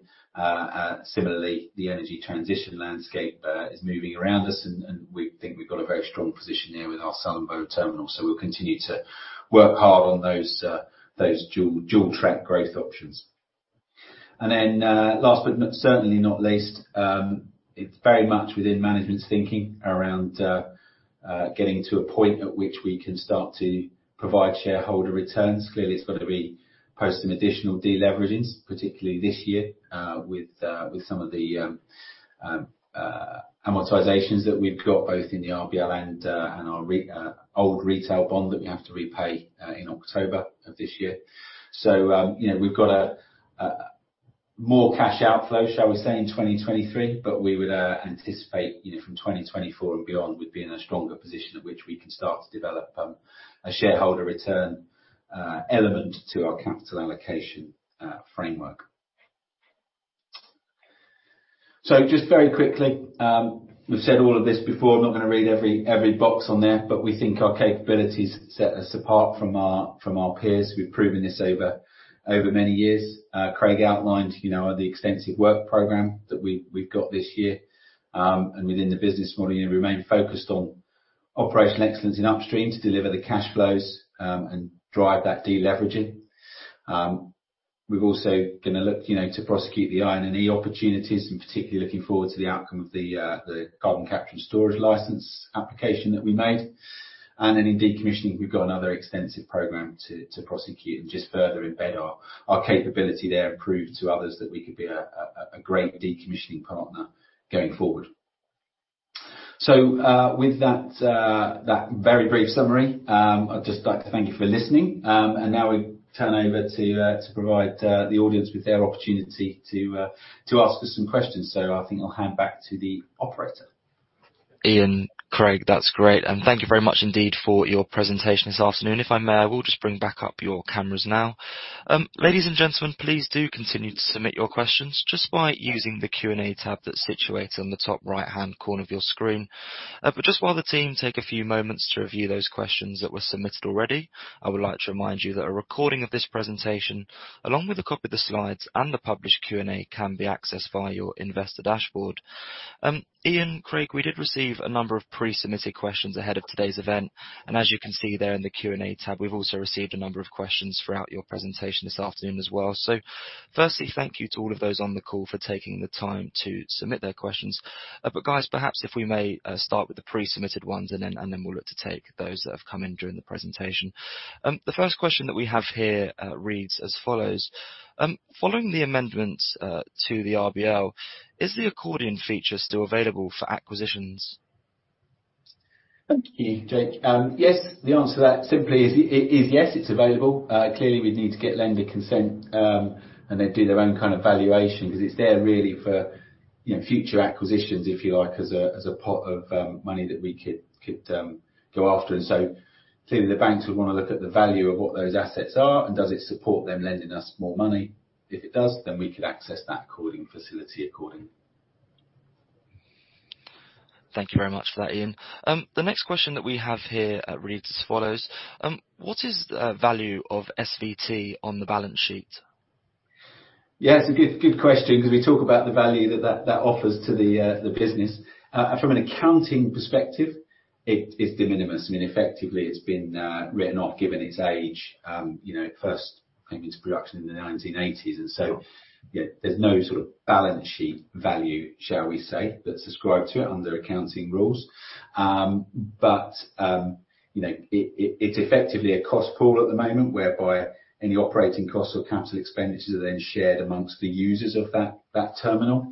Similarly, the energy transition landscape is moving around us, and we think we've got a very strong position here with our Sullom Voe Terminal, so we'll continue to work hard on those dual track growth options. Then, last, but certainly not least, it's very much within management's thinking around getting to a point at which we can start to provide shareholder returns. Clearly, it's gonna be post some additional de-leveragings, particularly this year, with some of the amortizations that we've got both in the RBL and our old retail bond that we have to repay in October of this year. You know, we've got a more cash outflow, shall we say, in 2023, but we would anticipate, you know, from 2024 and beyond, we'd be in a stronger position at which we can start to develop a shareholder return element to our capital allocation framework. Just very quickly, we've said all of this before. I'm not gonna read every box on there, but we think our capabilities set us apart from our peers. We've proven this over many years. Craig outlined, you know, the extensive work program that we've got this year, and within the business model, you know, remain focused on operational excellence in upstream to deliver the cash flows, and drive that de-leveraging. We've also gonna look, you know, to prosecute the I&E opportunities and particularly looking forward to the outcome of the carbon capture and storage license application that we made. In decommissioning, we've got another extensive program to prosecute and just further embed our capability there and prove to others that we could be a great decommissioning partner going forward. With that very brief summary, I'd just like to thank you for listening. Now we turn over to provide the audience with their opportunity to ask us some questions. I think I'll hand back to the operator. Ian, Craig, that's great. Thank you very much indeed for your presentation this afternoon. If I may, I will just bring back up your cameras now. Ladies and gentlemen, please do continue to submit your questions just by using the Q&A tab that's situated on the top right-hand corner of your screen. Just while the team take a few moments to review those questions that were submitted already, I would like to remind you that a recording of this presentation, along with a copy of the slides and the published Q&A, can be accessed via your investor dashboard. Ian, Craig, we did receive a number of pre-submitted questions ahead of today's event, and as you can see there in the Q&A tab, we've also received a number of questions throughout your presentation this afternoon as well. firstly, thank you to all of those on the call for taking the time to submit their questions. Guys, perhaps if we may start with the pre-submitted ones, and then we'll look to take those that have come in during the presentation. The first question that we have here reads as follows. Following the amendments to the RBL, is the accordion feature still available for acquisitions? Thank you, Jake. Yes. The answer to that simply is yes, it's available. Clearly we'd need to get lender consent, and they do their own kind of valuation 'cause it's there really for, you know, future acquisitions, if you like, as a, as a pot of money that we could go after. Clearly the banks would wanna look at the value of what those assets are and does it support them lending us more money. If it does, then we could access that accordion facility accordingly. Thank you very much for that, Ian. The next question that we have here reads as follows. What is the value of SVT on the balance sheet? Yeah, it's a good question 'cause we talk about the value that offers to the business. From an accounting perspective, it is de minimis. I mean, effectively, it's been written off given its age, you know, first came into production in the 1980s. Yeah, there's no sort of balance sheet value, shall we say, that's ascribed to it under accounting rules. You know, it's effectively a cost pool at the moment, whereby any operating costs or capital expenditures are then shared amongst the users of that terminal.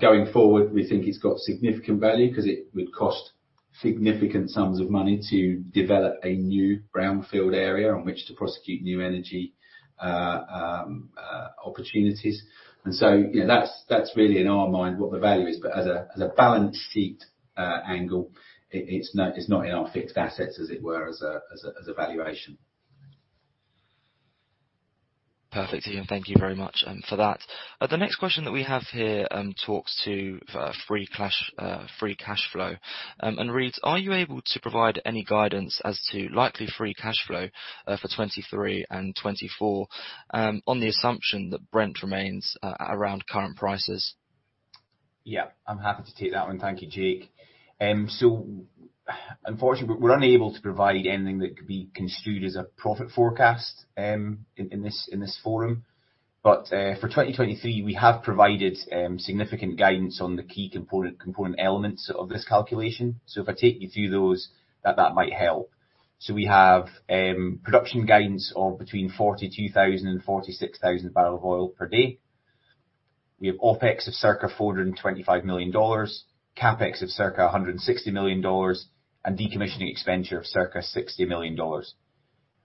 Going forward, we think it's got significant value 'cause it would cost significant sums of money to develop a new brownfield area on which to prosecute new energy opportunities. You know, that's really in our mind what the value is. As a balance sheet, angle, it's not in our fixed assets as it were, as a valuation. Perfect, Ian. Thank you very much, for that. The next question that we have here, talks to free cash flow. and reads: Are you able to provide any guidance as to likely free cash flow, for 2023 and 2024, on the assumption that Brent remains around current prices? Yeah, I'm happy to take that one. Thank you, Jake. Unfortunately we're unable to provide anything that could be construed as a profit forecast in this forum. For 2023, we have provided significant guidance on the key component elements of this calculation. If I take you through those, that might help. We have production guidance of between 42,000 bbl and 46,000 bbl of oil per day. We have OpEx of circa $425 million, CapEx of circa $160 million, and decommissioning expenditure of circa $60 million.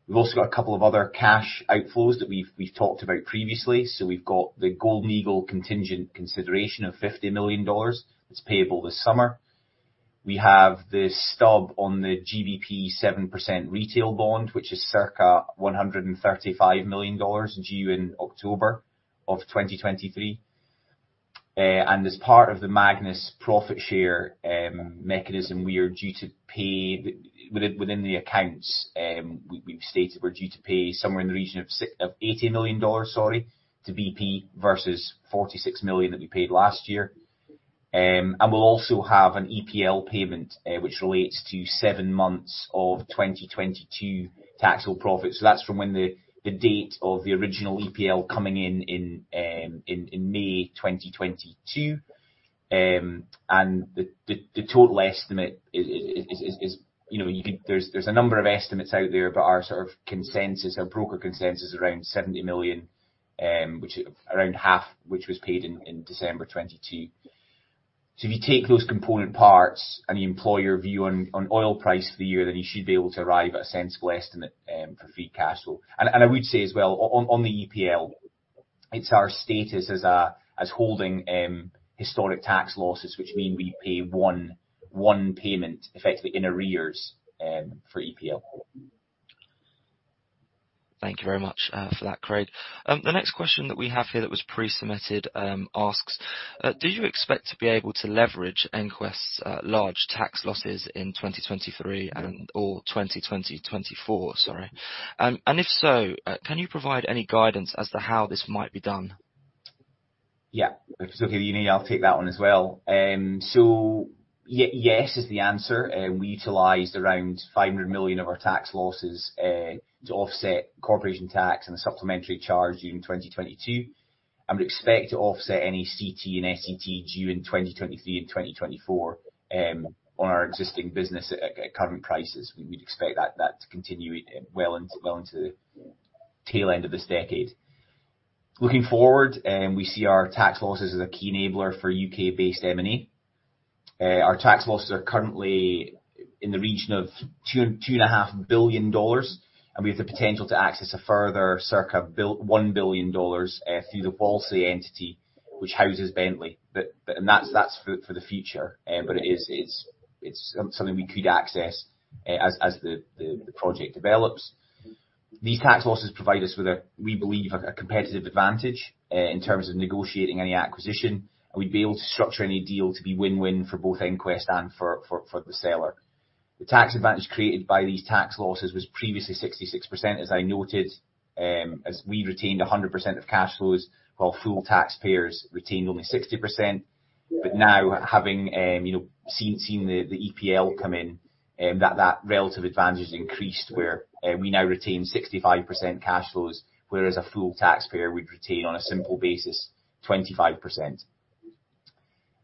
We've also got a couple of other cash outflows that we've talked about previously. We've got the Golden Eagle contingent consideration of $50 million that's payable this summer. We have the stub on the GBP 7% retail bond, which is circa $135 million due in October 2023. As part of the Magnus profit share mechanism, we've stated we're due to pay somewhere in the region of $80 million, sorry, to BP versus $46 million that we paid last year. We'll also have an EPL payment, which relates to seven months of 2022 taxable profits. That's from when the date of the original EPL coming in in May 2022. The total estimate is, you know, you could... There's a number of estimates out there, but our sort of consensus, our broker consensus around $70 million, which is around half which was paid in December 2022. If you take those component parts and you employ your view on oil price for the year, you should be able to arrive at a sensible estimate for free cash flow. I would say as well on the EPL, it's our status as holding historic tax losses which mean we pay one payment effectively in arrears for EPL. Thank you very much for that, Craig. The next question that we have here that was pre-submitted asks, do you expect to be able to leverage EnQuest's large tax losses in 2023 and or 2024? Sorry. If so, can you provide any guidance as to how this might be done? Yeah. If it's okay with you, Ian, I'll take that one as well. Yes is the answer. We utilized around $500 million of our tax losses to offset corporation tax and a supplementary charge during 2022, and would expect to offset any CT and SCT due in 2023 and 2024 on our existing business at current prices. We'd expect that to continue well into the tail end of this decade. Looking forward, we see our tax losses as a key enabler for U.K.-based M&A. Our tax losses are currently in the region of $2.5 billion, and we have the potential to access a further circa $1 billion through the Whalsay entity which houses Bentley. That's for the future. It's something we could access as the project develops. These tax losses provide us with a, we believe, a competitive advantage in terms of negotiating any acquisition, and we'd be able to structure any deal to be win-win for both EnQuest and for the seller. The tax advantage created by these tax losses was previously 66%, as I noted, as we retained 100% of cash flows while full taxpayers retained only 60%. Now having, you know, seen the EPL come in, that relative advantage increased where we now retain 65% cash flows, whereas a full taxpayer would retain on a simple basis, 25%.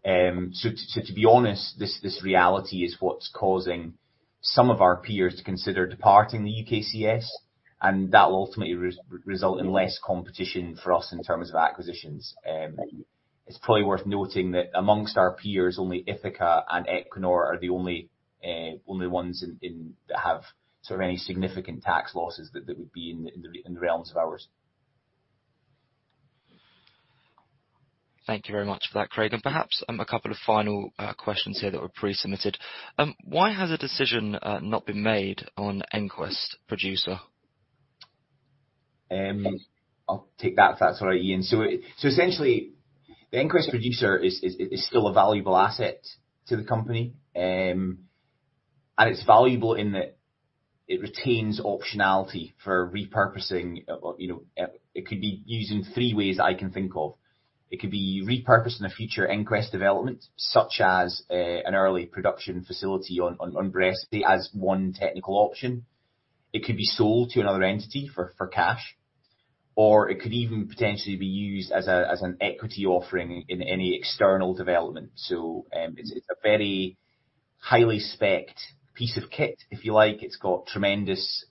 To be honest, this reality is what's causing some of our peers to consider departing the UKCS, and that will ultimately result in less competition for us in terms of acquisitions. It's probably worth noting that amongst our peers, only Ithaca and Equinor are the only ones that have sort of any significant tax losses that would be in the realms of ours. Thank you very much for that, Craig. Perhaps, a couple of final questions here that were pre-submitted. Why has a decision not been made on EnQuest Producer? I'll take that if that's all right, Ian. Essentially, the EnQuest Producer is still a valuable asset to the company. It's valuable in that it retains optionality for repurposing. You know, it could be used in three ways that I can think of. It could be repurposed in a future EnQuest development, such as an early production facility on Bressay as one technical option. It could be sold to another entity for cash. It could even potentially be used as an equity offering in any external development. It's a very highly specced piece of kit, if you like. It's got tremendous,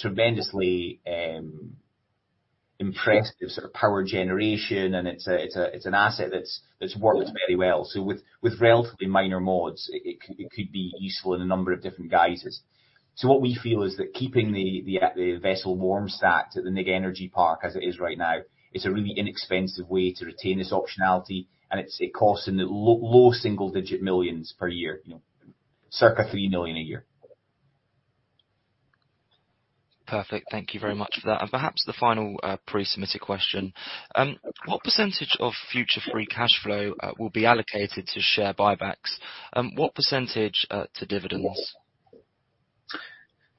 tremendously impressive sort of power generation, and it's an asset that's worked very well. With relatively minor mods, it could be useful in a number of different guises. What we feel is that keeping the vessel warm stacked at the Nigg Energy Park as it is right now, is a really inexpensive way to retain this optionality, and it's, it costs in the low single-digit millions per year, you know, circa $3 million a year. Perfect. Thank you very much for that. Perhaps the final, pre-submitted question. What % of future free cash flow will be allocated to share buybacks? What percentage to dividends?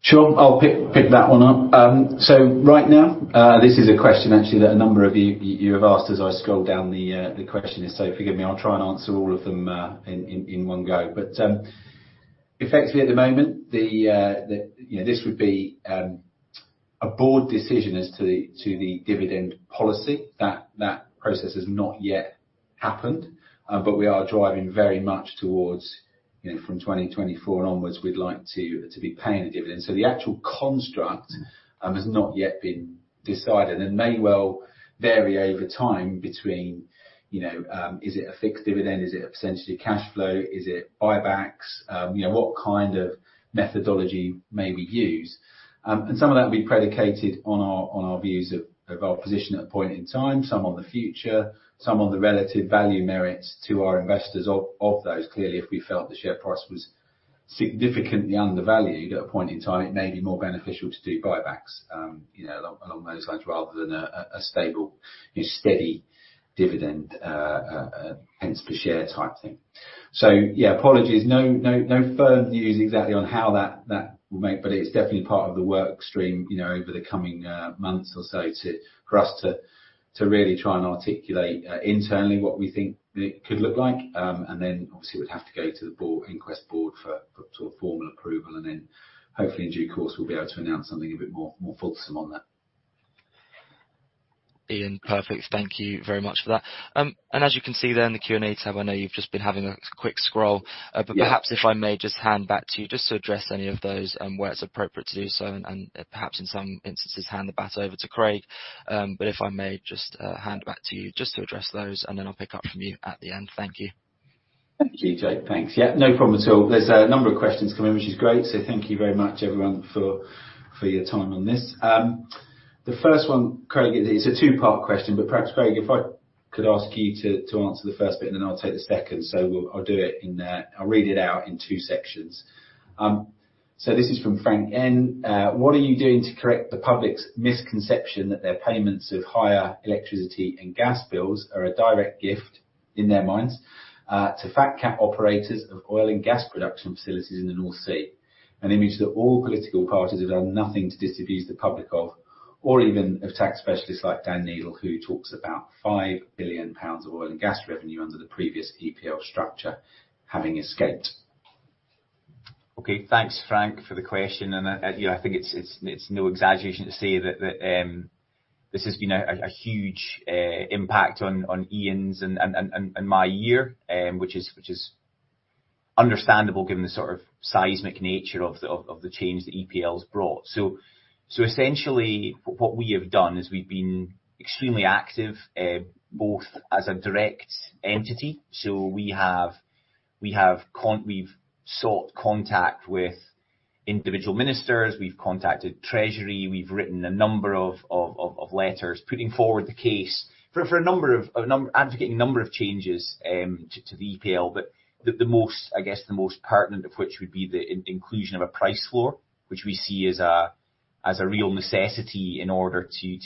Sure. I'll pick that one up. Right now, this is a question actually that a number of you have asked as I scroll down the questions, so forgive me, I'll try and answer all of them in one go. Effectively at the moment, the, you know, this would be a board decision as to the dividend policy. That process has not yet happened, we are driving very much towards, you know, from 2024 onwards, we'd like to be paying a dividend. The actual construct has not yet been decided and may well vary over time between, you know, is it a fixed dividend? Is it a percentage of cash flow? Is it buybacks? You know, what kind of methodology may we use? Some of that will be predicated on our, on our views of our position at that point in time, some on the future, some on the relative value merits to our investors of those. Clearly, if we felt the share price was significantly undervalued at a point in time, it may be more beneficial to do buybacks, you know, along those lines rather than a stable, you know, steady dividend, pence per share type thing. Yeah, apologies. No firm news exactly on how that will make, but it's definitely part of the work stream, you know, over the coming months or so for us to really try and articulate internally what we think it could look like. Obviously we'd have to go to the board, EnQuest board for sort of formal approval and then hopefully in due course we'll be able to announce something a bit more, more fulsome on that. Ian, perfect. Thank you very much for that. As you can see there in the Q&A tab, I know you've just been having a quick scroll. Yeah. Perhaps if I may just hand back to you just to address any of those, where it's appropriate to do so and perhaps in some instances, hand the bat over to Craig. If I may just hand back to you just to address those, and then I'll pick up from you at the end. Thank you. Thank you, Jake. Thanks. Yeah, no problem at all. There's a number of questions come in, which is great, so thank you very much everyone for your time on this. The first one, Craig, it's a two-part question, but perhaps Craig, if I could ask you to answer the first bit and then I'll take the second. I'll do it in... I'll read it out in two sections. This is from Frank N. "What are you doing to correct the public's misconception that their payments of higher electricity and gas bills are a direct gift, in their minds, to fat cat operators of oil and gas production facilities in the North Sea? An image that all political parties have done nothing to disabuse the public of, or even of tax specialists like Dan Neidle, who talks about 5 billion pounds of oil and gas revenue under the previous EPL structure having escaped. Okay. Thanks, Frank, for the question. You know, I think it's no exaggeration to say that this has been a huge impact on Ian's and my year, which is understandable given the sort of seismic nature of the change the EPL's brought. Essentially what we have done is we've been extremely active, both as a direct entity. We have, we've sought contact with individual ministers. We've contacted Treasury. We've written a number of letters putting forward the case for a number of advocating a number of changes, to the EPL. The most... I guess the most pertinent of which would be the inclusion of a price floor, which we see as a real necessity in order to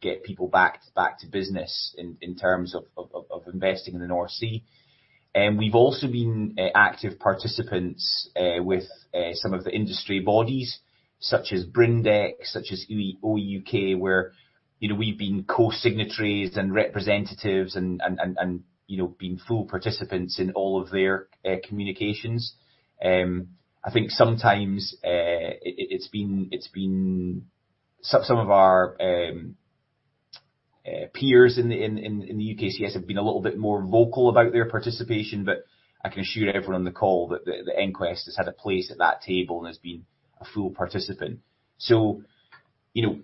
get people back to business in terms of investing in the North Sea. We've also been active participants with some of the industry bodies such as BRINDEX, such as OEUK, where, you know, we've been co-signatories and representatives and, you know, been full participants in all of their communications. I think sometimes it's been Some of our peers in the U.K., yes, have been a little bit more vocal about their participation, but I can assure everyone on the call that EnQuest has had a place at that table and has been a full participant. you know,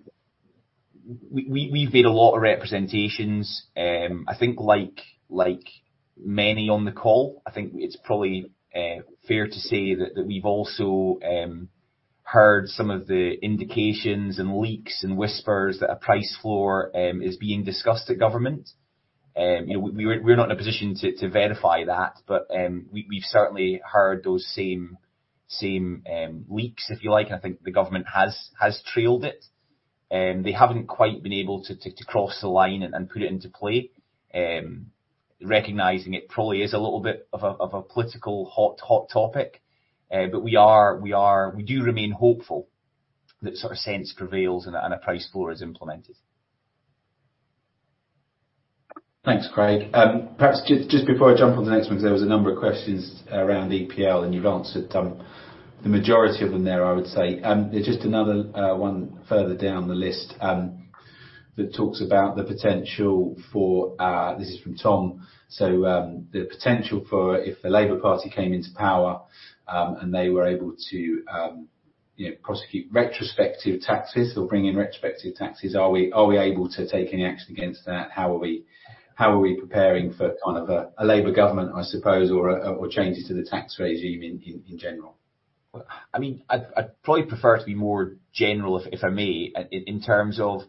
we've made a lot of representations. I think like many on the call, I think it's probably fair to say that we've also heard some of the indications and leaks and whispers that a price floor is being discussed at government. you know, we're not in a position to verify that, but we've certainly heard those same leaks, if you like. I think the government has trailed it. They haven't quite been able to cross the line and put it into play, recognizing it probably is a little bit of a political hot topic. We do remain hopeful that sort of sense prevails and a price floor is implemented. Thanks, Craig. Perhaps just before I jump on the next one, 'cause there was a number of questions around EPL and you've answered the majority of them there, I would say. There's just another one further down the list that talks about the potential for. This is from Tom. The potential for if the Labour Party came into power, and they were able to, you know, prosecute retrospective taxes or bring in retrospective taxes, are we able to take any action against that? How are we preparing for kind of a Labour government, I suppose, or changes to the tax regime in general? Well, I mean, I'd probably prefer to be more general, if I may, in terms of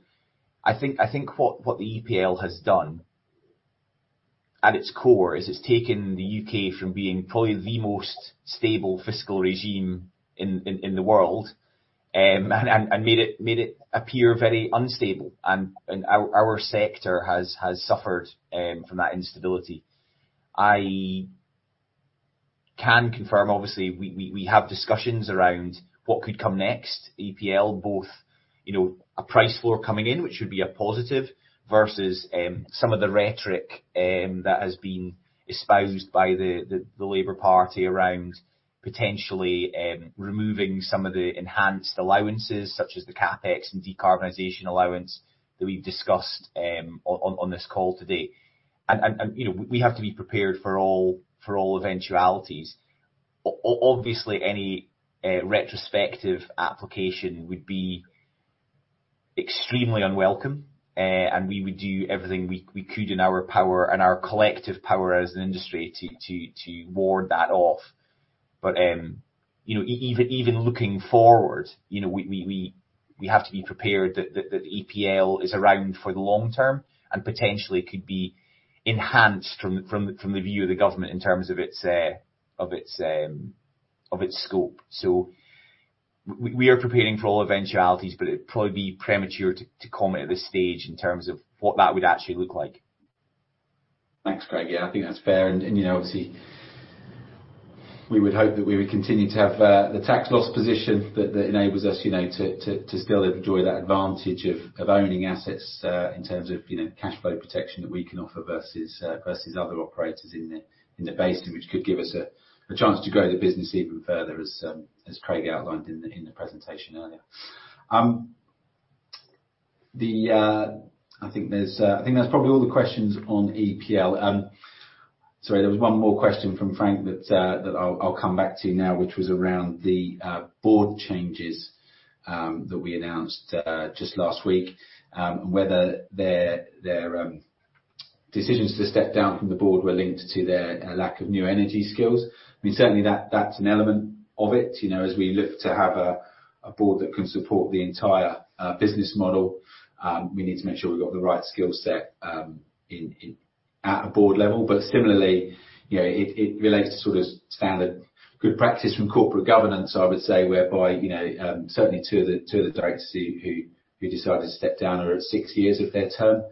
I think what the EPL has done at its core is it's taken the U.K. from being probably the most stable fiscal regime in the world, and made it appear very unstable. Our sector has suffered from that instability. I can confirm, obviously, we have discussions around what could come next EPL, both, you know, a price floor coming in, which would be a positive, versus some of the rhetoric that has been espoused by the Labour Party around potentially removing some of the enhanced allowances such as the CapEx and decarbonization allowance that we've discussed on this call today. You know, we have to be prepared for all eventualities. Obviously, any retrospective application would be extremely unwelcome, and we would do everything we could in our power and our collective power as an industry to ward that off. You know, even looking forward, you know, We have to be prepared that EPL is around for the long term and potentially could be enhanced from the view of the government in terms of its of its scope. We are preparing for all eventualities, but it'd probably be premature to comment at this stage in terms of what that would actually look like. Thanks, Craig. Yeah, I think that's fair. You know, obviously we would hope that we would continue to have the tax loss position that enables us, you know, to still enjoy that advantage of owning assets, in terms of, you know, cash flow protection that we can offer versus versus other operators in the basin, which could give us a chance to grow the business even further, as Craig outlined in the presentation earlier. I think that's probably all the questions on EPL. Sorry, there was one more question from Frank that I'll come back to now, which was around the board changes that we announced just last week, and whether their decisions to step down from the board were linked to their lack of new energy skills. I mean, certainly that's an element of it. You know, as we look to have a board that can support the entire business model, we need to make sure we've got the right skill set in at a board level. Similarly, you know, it relates to sort of standard good practice from corporate governance, I would say, whereby, you know, certainly two of the directors who decided to step down are at six years of their term.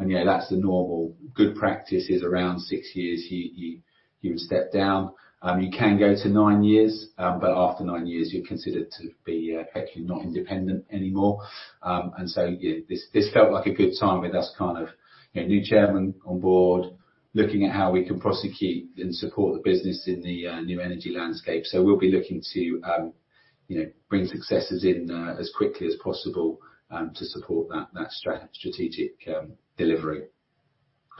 You know, that's the normal good practice is around six years, you would step down. You can go to nine years, after nine years, you're considered to be actually not independent anymore. Yeah, this felt like a good time with us kind of, you know, new chairman on board, looking at how we can prosecute and support the business in the new energy landscape. We'll be looking to, you know, bring successors in as quickly as possible to support that strategic delivery.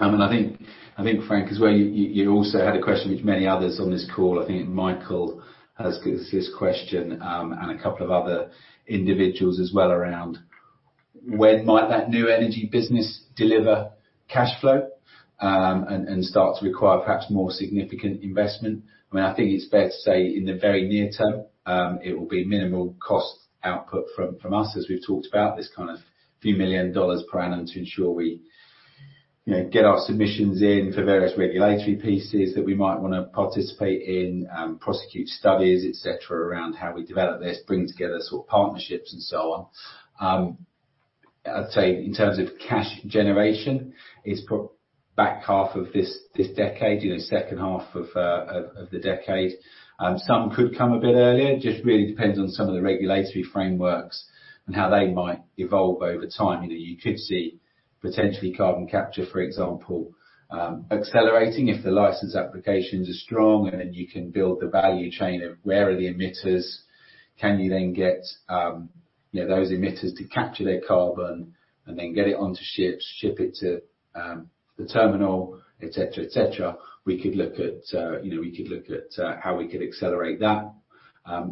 I think Frank as well you also had a question which many others on this call, I think Michael asked this question, a couple of other individuals as well, around when might that new energy business deliver cash flow, and start to require perhaps more significant investment. I mean, I think it's fair to say in the very near term, it will be minimal cost output from us as we've talked about, this kind of few million dollars per annum to ensure we, you know, get our submissions in for various regulatory pieces that we might wanna participate in, prosecute studies, et cetera, around how we develop this, bring together sort of partnerships and so on. I'd say in terms of cash generation is probably back half of this decade, you know, second half of the decade. Some could come a bit earlier. Just really depends on some of the regulatory frameworks and how they might evolve over time. You know, you could see potentially carbon capture, for example, accelerating if the license applications are strong, then you can build the value chain of where are the emitters? Can you then get, you know, those emitters to capture their carbon and then get it onto ships, ship it to the terminal, et cetera, et cetera. We could look at, you know, we could look at how we could accelerate that.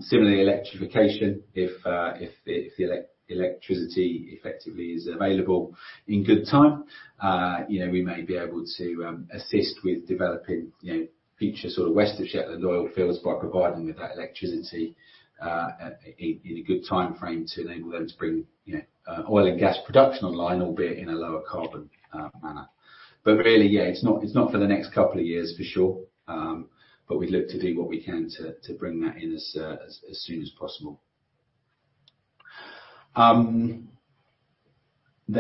Similarly, electrification, if the electricity effectively is available in good time, you know, we may be able to assist with developing future sort of west of Shetland oil fields by providing with that electricity in a good timeframe to enable them to bring oil and gas production online, albeit in a lower carbon manner. Really, yeah, it's not, it's not for the next couple of years for sure. But we'd look to do what we can to bring that in as soon as possible. The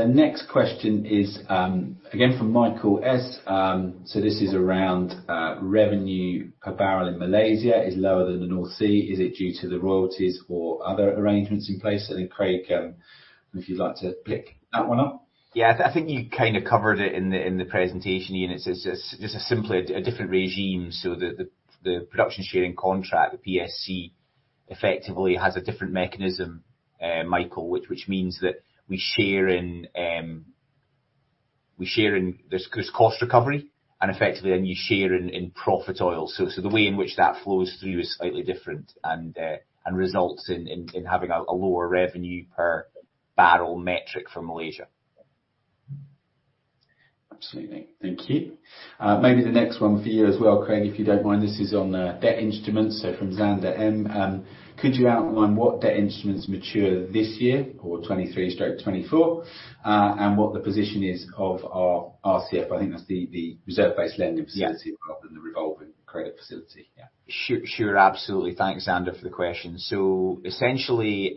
next question is again from Michael S. This is around revenue per barrel in Malaysia is lower than the North Sea. Is it due to the royalties or other arrangements in place? Craig, if you'd like to pick that one up. Yeah. I think you kind of covered it in the presentation, Ian. It's just a simply a different regime. The Production Sharing Contract, the PSC, effectively has a different mechanism, Michael, which means that There's cost recovery and effectively then you share in profit oil. The way in which that flows through is slightly different and results in having a lower revenue per barrel metric for Malaysia. Absolutely. Thank you. Maybe the next one for you as well, Craig, if you don't mind. This is on debt instruments. From Xander M. Could you outline what debt instruments mature this year or 2023 straight 2024, and what the position is of our RCF? I think that's the reserve-based lending facility- Yeah. rather than the revolving credit facility. Yeah. Sure. Absolutely. Thanks, Xander, for the question. Essentially,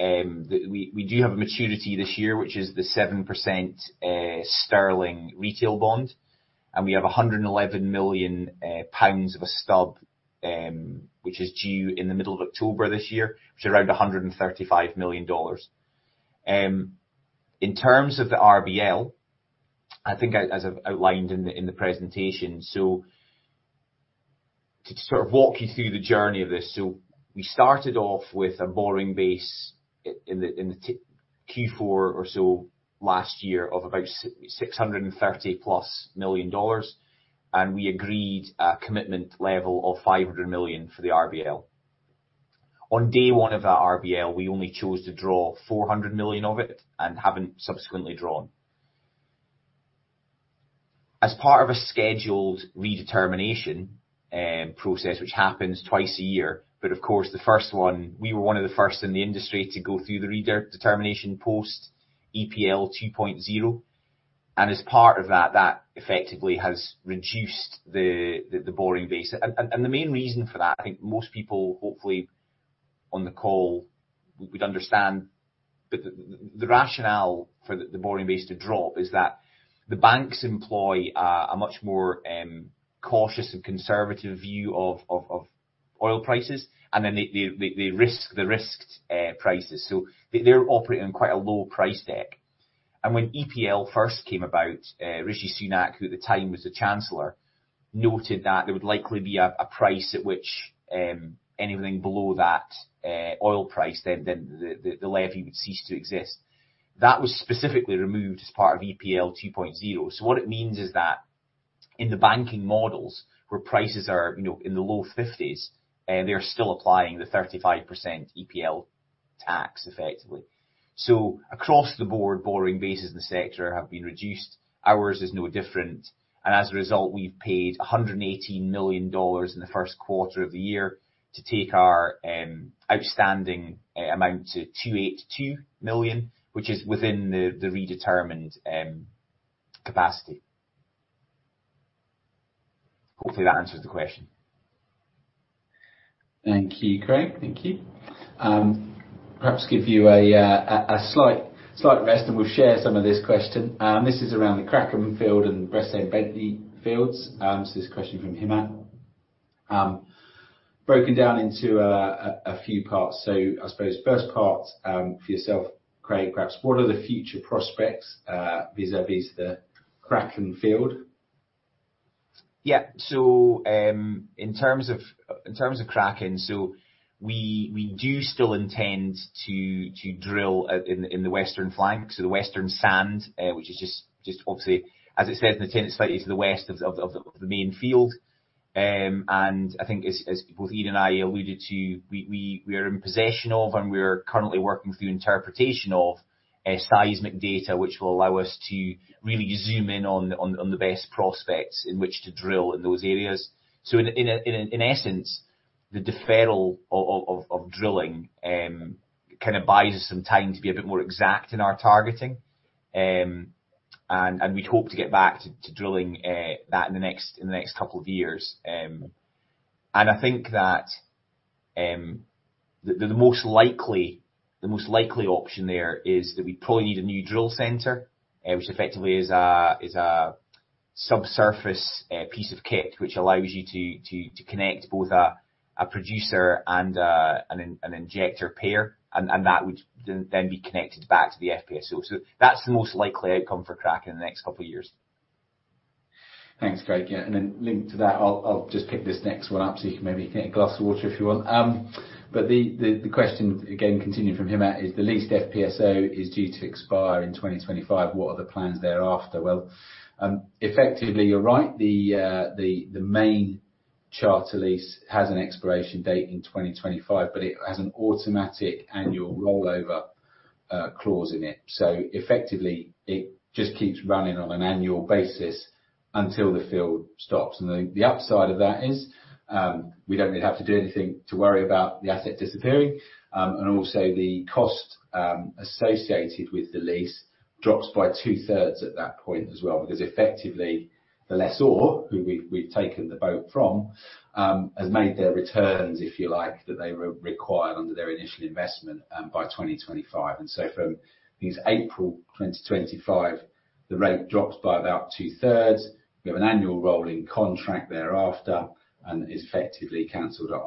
we do have a maturity this year, which is the 7% Sterling Retail Bond, and we have 111 million pounds of a stub, which is due in the middle of October this year, which is around $135 million. In terms of the RBL, I think as I've outlined in the presentation, to sort of walk you through the journey of this, We started off with a borrowing base in Q4 or so last year of about $630+ million, and we agreed a commitment level of $500 million for the RBL. On day one of that RBL, we only chose to draw $400 million of it and haven't subsequently drawn. As part of a scheduled redetermination process, which happens twice a year, of course, the first one, we were one of the first in the industry to go through the redetermination post EPL 2.0. As part of that effectively has reduced the borrowing base. The main reason for that, I think most people, hopefully, on the call would understand, but the rationale for the borrowing base to drop is that the banks employ a much more cautious and conservative view of oil prices, then they risk the risked prices. They're operating on quite a low price deck. When EPL first came about, Rishi Sunak, who at the time was the chancellor, noted that there would likely be a price at which anything below that oil price, then the levy would cease to exist. That was specifically removed as part of EPL 2.0. What it means is that in the banking models where prices are, you know, in the low 50s, they're still applying the 35% EPL tax effectively. Across the board, borrowing bases in the sector have been reduced. Ours is no different, and as a result, we've paid $118 million in the first quarter of the year to take our outstanding amount to $282 million, which is within the redetermined capacity. Hopefully, that answers the question. Thank you, Craig. Thank you. perhaps give you a slight rest, we'll share some of this question. This is around the Kraken field and Bressay and Bentley fields. This is a question from Hemant, broken down into a few parts. I suppose first part, for yourself, Craig, perhaps what are the future prospects, vis-à-vis the Kraken field? Yeah. In terms of Kraken, we do still intend to drill in the western flank. The western sand, which is just obviously, as it says in the tint, it's slightly to the west of the main field. I think as both Ian and I alluded to, we are in possession of, and we're currently working through interpretation of seismic data, which will allow us to really zoom in on the best prospects in which to drill in those areas. In essence, the deferral of drilling kind of buys us some time to be a bit more exact in our targeting. We'd hope to get back to drilling that in the next couple of years. I think that the most likely option there is that we probably need a new drill centre, which effectively is a subsurface piece of kit, which allows you to connect both a producer and an injector pair, and that would then be connected back to the FPSO. That's the most likely outcome for Kraken in the next couple of years. Thanks, Craig. Yeah. Linked to that, I'll just pick this next one up, so you can maybe get a glass of water if you want. The question, again, continuing from Hemant, is the leased FPSO is due to expire in 2025. What are the plans thereafter? Well, effectively you're right. The main charter lease has an expiration date in 2025, but it has an automatic annual rollover clause in it. Effectively, it just keeps running on an annual basis until the field stops. The upside of that is, we don't really have to do anything to worry about the asset disappearing. Also the cost associated with the lease drops by two-thirds at that point as well because effectively the lessor, who we've taken the boat from, has made their returns, if you like, that they re-required under their initial investment by 2025. From, I think it's April 2025, the rate drops by about two-thirds. We have an annual rolling contract thereafter and is effectively canceled at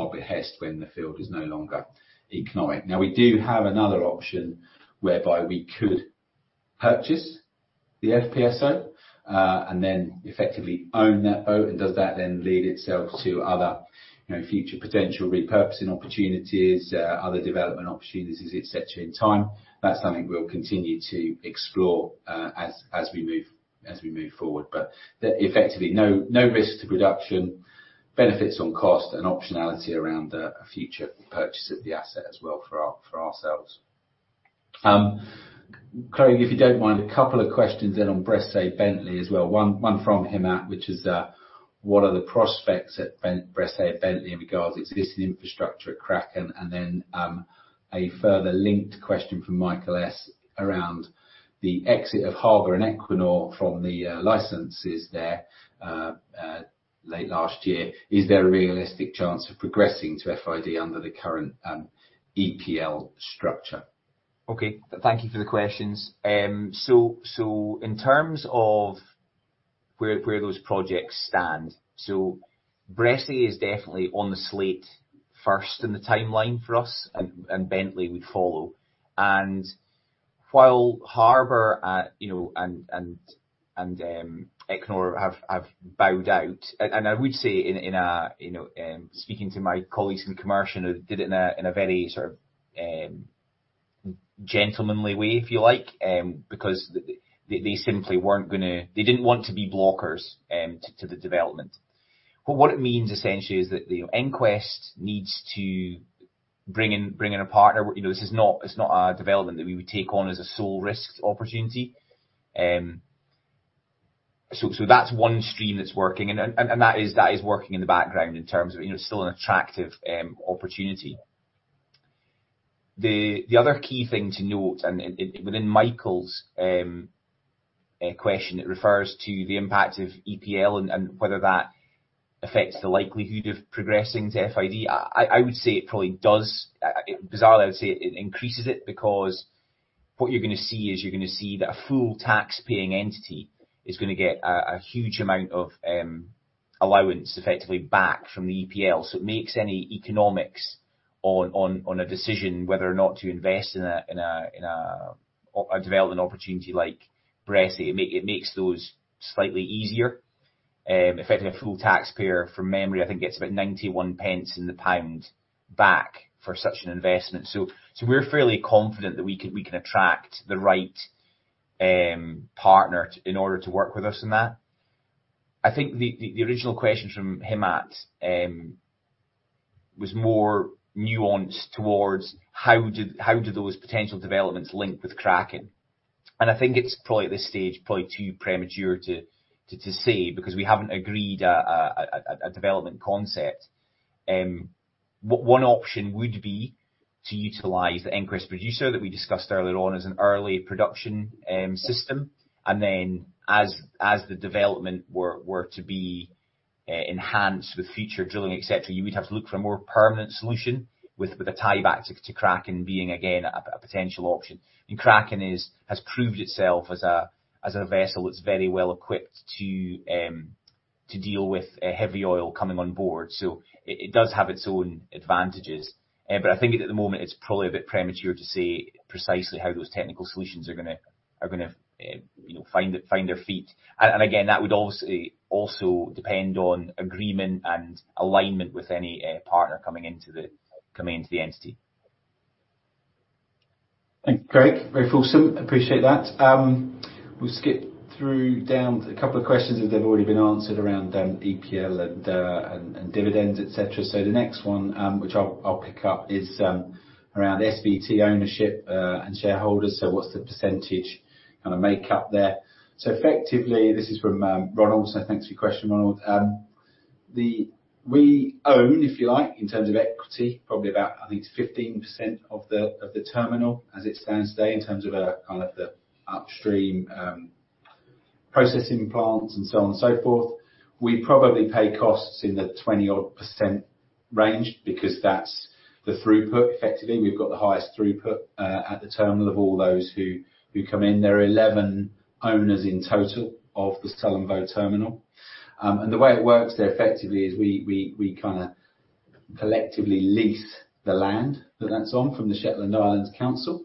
our behest when the field is no longer economic. We do have another option whereby we could purchase the FPSO and then effectively own that boat. Does that then lend itself to other, you know, future potential repurposing opportunities, other development opportunities, et cetera, in time? That's something we'll continue to explore as we move forward. Effectively, no risk to production. Benefits on cost and optionality around the future purchase of the asset as well for ourselves. Craig, if you don't mind, a couple of questions then on Bressay Bentley as well. One from Hemant, which is that what are the prospects at Bressay and Bentley in regards to existing infrastructure at Kraken? A further linked question from Michael S. around the exit of Harbour and Equinor from the licenses there late last year. Is there a realistic chance of progressing to FID under the current EPL structure? Okay. Thank you for the questions. In terms of where those projects stand, so Bressay is definitely on the slate first in the timeline for us, Bentley would follow. While Harbour, you know, and Equinor have bowed out. I would say in a, you know, speaking to my colleagues in commercial who did it in a very sort of gentlemanly way, if you like, because they simply weren't they didn't want to be blockers to the development. What it means essentially is that, you know, EnQuest needs to bring in a partner. You know, this is not, this is not a development that we would take on as a sole risk opportunity. So that's one stream that's working and that is working in the background in terms of, you know, still an attractive opportunity. The other key thing to note, and within Michael's question, it refers to the impact of EPL and whether that affects the likelihood of progressing to FID. I would say it probably does. Bizarrely, I would say it increases it because what you're gonna see is you're gonna see that a full tax-paying entity is gonna get a huge amount of allowance effectively back from the EPL. It makes any economics on a decision whether or not to invest in a development opportunity like Bressay. It makes those slightly easier. Effectively a full taxpayer from memory, I think, gets about 0.91 in the pound back for such an investment. We're fairly confident that we can attract the right partner in order to work with us in that. I think the original question from Hemant was more nuanced towards how do those potential developments link with Kraken? I think it's probably too premature to say because we haven't agreed a development concept. One option would be to utilize the EnQuest Producer that we discussed earlier on as an early production system. As the development were to be enhanced with future drilling, et cetera, you would have to look for a more permanent solution with a tieback to Kraken being again a potential option. Kraken has proved itself as a vessel that's very well equipped to deal with heavy oil coming on board. It does have its own advantages. But I think at the moment it's probably a bit premature to say precisely how those technical solutions are gonna, you know, find their feet. Again, that would obviously also depend on agreement and alignment with any partner coming into the entity. Thanks, Craig. Very fulsome. Appreciate that. We'll skip through down a couple of questions as they've already been answered around EPL and dividends, et cetera. The next one, which I'll pick up is around SVT ownership and shareholders. What's the percentage kinda makeup there? Effectively, this is from Ronald. Thanks for your question, Ronald. We own, if you like, in terms of equity, probably about, I think it's 15% of the terminal as it stands today in terms of kind of the upstream processing plants and so on and so forth. We probably pay costs in the 20 odd percent range because that's the throughput. Effectively, we've got the highest throughput at the terminal of all those who come in. There are 11 owners in total of the Sullom Voe Terminal. The way it works there effectively is we kinda collectively lease the land that that's on from the Shetland Islands Council.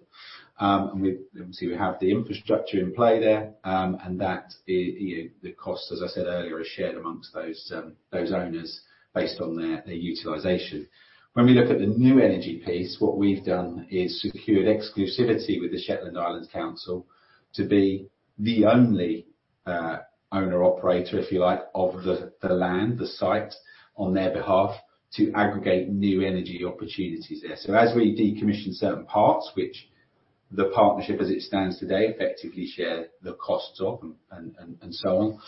We obviously have the infrastructure in play there. That, you know, the cost, as I said earlier, is shared among those owners based on their utilization. When we look at the new energy piece, what we've done is secured exclusivity with the Shetland Islands Council to be the only, owner operator, if you like, of the land, the site on their behalf to aggregate new energy opportunities there. As we decommission certain parts, which the partnership as it stands today, effectively share the costs of and so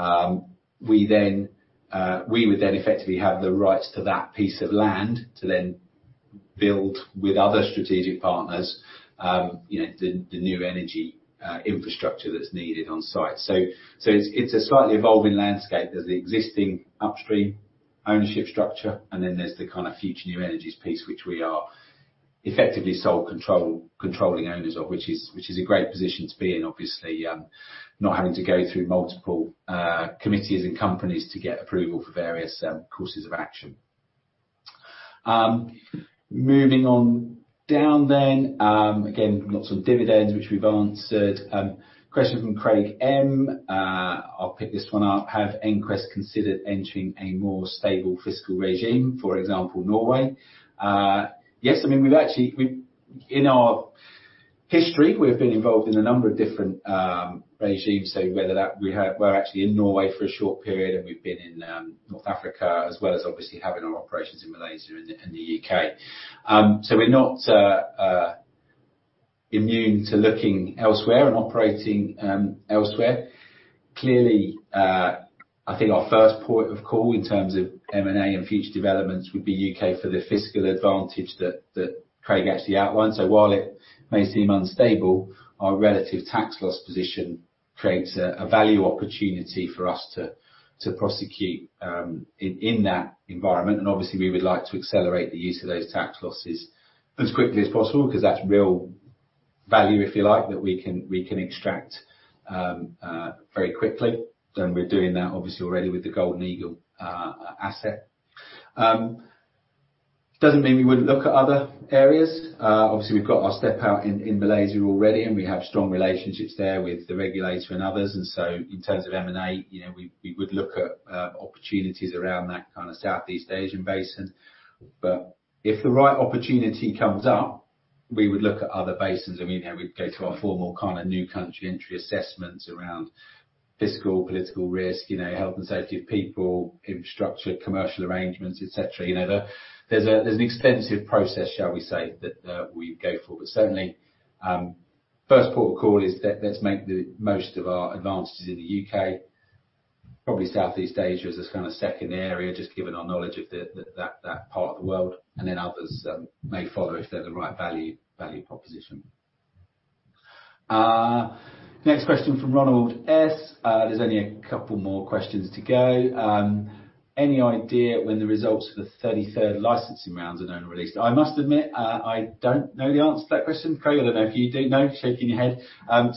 on, we then, we would then effectively have the rights to that piece of land to then build with other strategic partners, you know, the new energy infrastructure that's needed on site. It's a slightly evolving landscape. There's the existing upstream ownership structure, and then there's the kind of future new energies piece, which we are effectively sole controlling owners of, which is, which is a great position to be in, obviously, not having to go through multiple committees and companies to get approval for various courses of action. Moving on down then. Again, lots of dividends which we've answered. Question from Craig M. I'll pick this one up. Have EnQuest considered entering a more stable fiscal regime, for example, Norway?" Yes. I mean, we've actually in our history, we've been involved in a number of different regimes. Whether that. We're actually in Norway for a short period, and we've been in North Africa as well as obviously having our operations in Malaysia and the U.K. We're not immune to looking elsewhere and operating elsewhere. Clearly, I think our first port of call in terms of M&A and future developments would be U.K. for the fiscal advantage that Craig actually outlined. While it may seem unstable, our relative tax loss position creates a value opportunity for us to prosecute in that environment. Obviously we would like to accelerate the use of those tax losses as quickly as possible because that's real value, if you like, that we can extract very quickly. We're doing that obviously already with the Golden Eagle asset. Doesn't mean we wouldn't look at other areas. Obviously we've got our step out in Malaysia already, and we have strong relationships there with the regulator and others. In terms of M&A, you know, we would look at opportunities around that kinda Southeast Asian basins. If the right opportunity comes up. We would look at other basins. I mean, you know, we go through our formal kind of new country entry assessments around fiscal, political risk, you know, health and safety of people, infrastructure, commercial arrangements, et cetera. You know, there's an extensive process, shall we say, that we go through. Certainly, first port of call is let's make the most of our advantages in the U.K. Probably Southeast Asia is this kind of second area, just given our knowledge of that part of the world, and then others may follow if they're the right value proposition. Next question from Ronald S. There's only a couple more questions to go. Any idea when the results for the 33rd Licensing Round are known or released? I must admit, I don't know the answer to that question. Craig, I don't know if you do know. Shaking your head.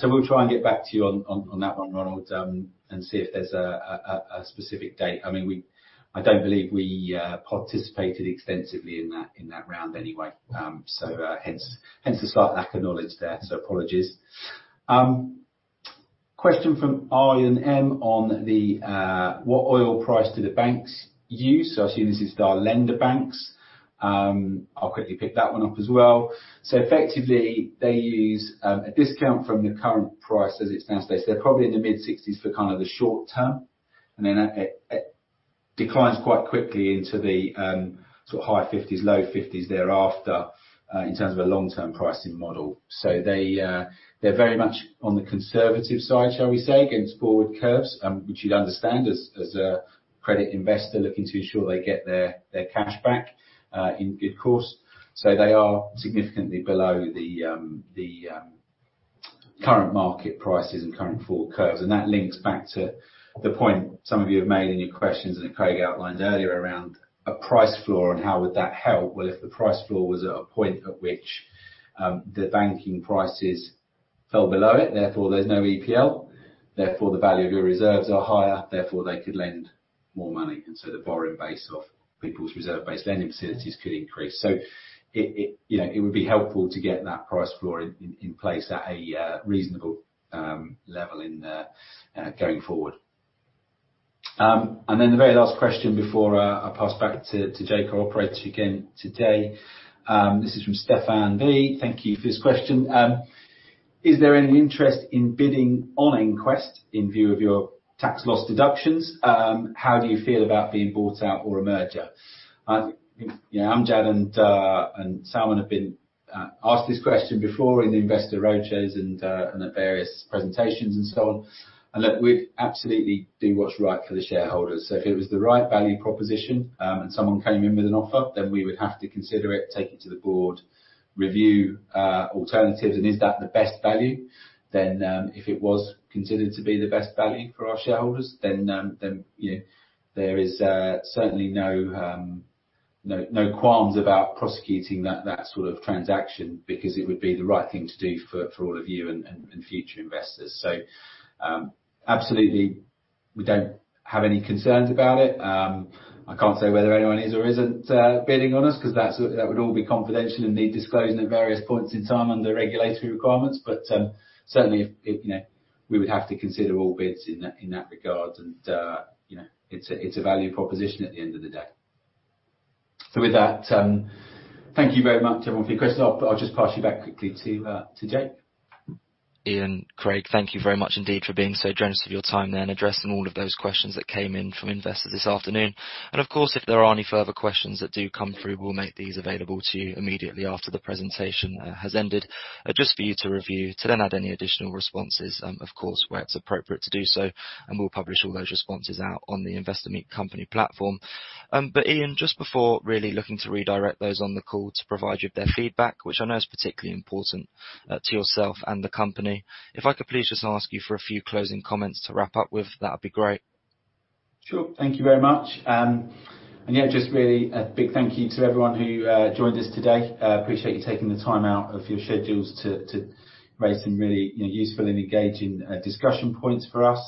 We'll try and get back to you on that one, Ronald, and see if there's a specific date. I mean, I don't believe we participated extensively in that, in that round anyway. Hence the slight lack of knowledge there, so apologies. Question from Aryan M. on the what oil price do the banks use? I assume this is our lender banks. I'll quickly pick that one up as well. Effectively, they use a discount from the current price as it stands today. They're probably in the mid-60s for kind of the short term, and then it declines quite quickly into the sort of high 50s, low 50s thereafter in terms of a long-term pricing model. They're very much on the conservative side, shall we say, against forward curves, which you'd understand as a credit investor looking to ensure they get their cash back in good course. They are significantly below the current market prices and current forward curves. That links back to the point some of you have made in your questions, and that Craig outlined earlier around a price floor and how would that help. Well, if the price floor was at a point at which the banking prices fell below it, therefore there's no EPL, therefore the value of your reserves are higher, therefore they could lend more money. The borrowing base of people's reserve-based lending facilities could increase. It, you know, it would be helpful to get that price floor in place at a reasonable level going forward. The very last question before I pass back to Jake who operates again today. This is from Stefan B. Thank you for this question. Is there any interest in bidding on EnQuest in view of your tax loss deductions? How do you feel about being bought out or a merger? You know, Amjad and Salman have been asked this question before in the investor roadshows and at various presentations and so on. Look, we absolutely do what's right for the shareholders. If it was the right value proposition, and someone came in with an offer, we would have to consider it, take it to the board, review alternatives, and is that the best value. If it was considered to be the best value for our shareholders, then, you know, there is certainly no qualms about prosecuting that sort of transaction because it would be the right thing to do for all of you and future investors. Absolutely, we don't have any concerns about it. I can't say whether anyone is or isn't bidding on us 'cause that's that would all be confidential and need disclosing at various points in time under regulatory requirements. Certainly if, you know, we would have to consider all bids in that, in that regard. you know, it's a value proposition at the end of the day. With that, thank you very much everyone for your questions. I'll just pass you back quickly to Jake. Ian, Craig, thank you very much indeed for being so generous with your time then addressing all of those questions that came in from investors this afternoon. If there are any further questions that do come through, we'll make these available to you immediately after the presentation has ended just for you to review to then add any additional responses, of course, where it's appropriate to do so, and we'll publish all those responses out on the Investor Meet Company platform. Ian, just before really looking to redirect those on the call to provide you with their feedback, which I know is particularly important to yourself and the company, if I could please just ask you for a few closing comments to wrap up with, that'd be great. Sure. Thank you very much. Yeah, just really a big thank you to everyone who joined us today. Appreciate you taking the time out of your schedules to raise some really, you know, useful and engaging discussion points for us.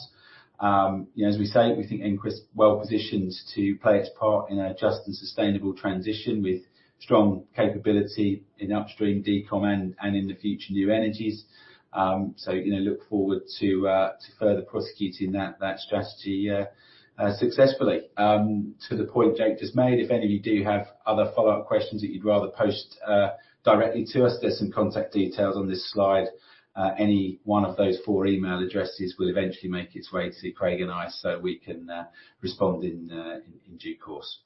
You know, as we say, we think EnQuest is well-positioned to play its part in a just and sustainable transition with strong capability in upstream, decomm, and in the future new energies. You know, look forward to further prosecuting that strategy successfully. To the point Jake just made, if any of you do have other follow-up questions that you'd rather post directly to us, there's some contact details on this slide. Any one of those four email addresses will eventually make its way to Craig and I, so we can respond in due course.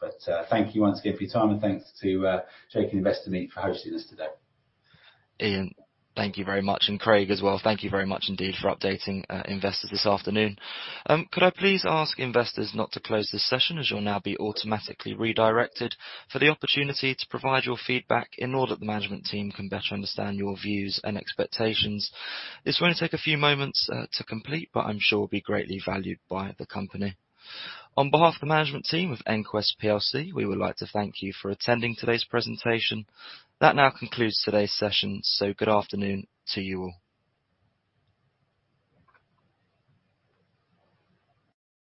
Thank you once again for your time and thanks to Jake and Investor Meet for hosting us today. Ian, thank you very much. Craig as well, thank you very much indeed for updating investors this afternoon. Could I please ask investors not to close this session as you'll now be automatically redirected for the opportunity to provide your feedback in order that the management team can better understand your views and expectations. This will only take a few moments to complete, but I'm sure will be greatly valued by the company. On behalf of the management team of EnQuest PLC, we would like to thank you for attending today's presentation. That now concludes today's session. Good afternoon to you all.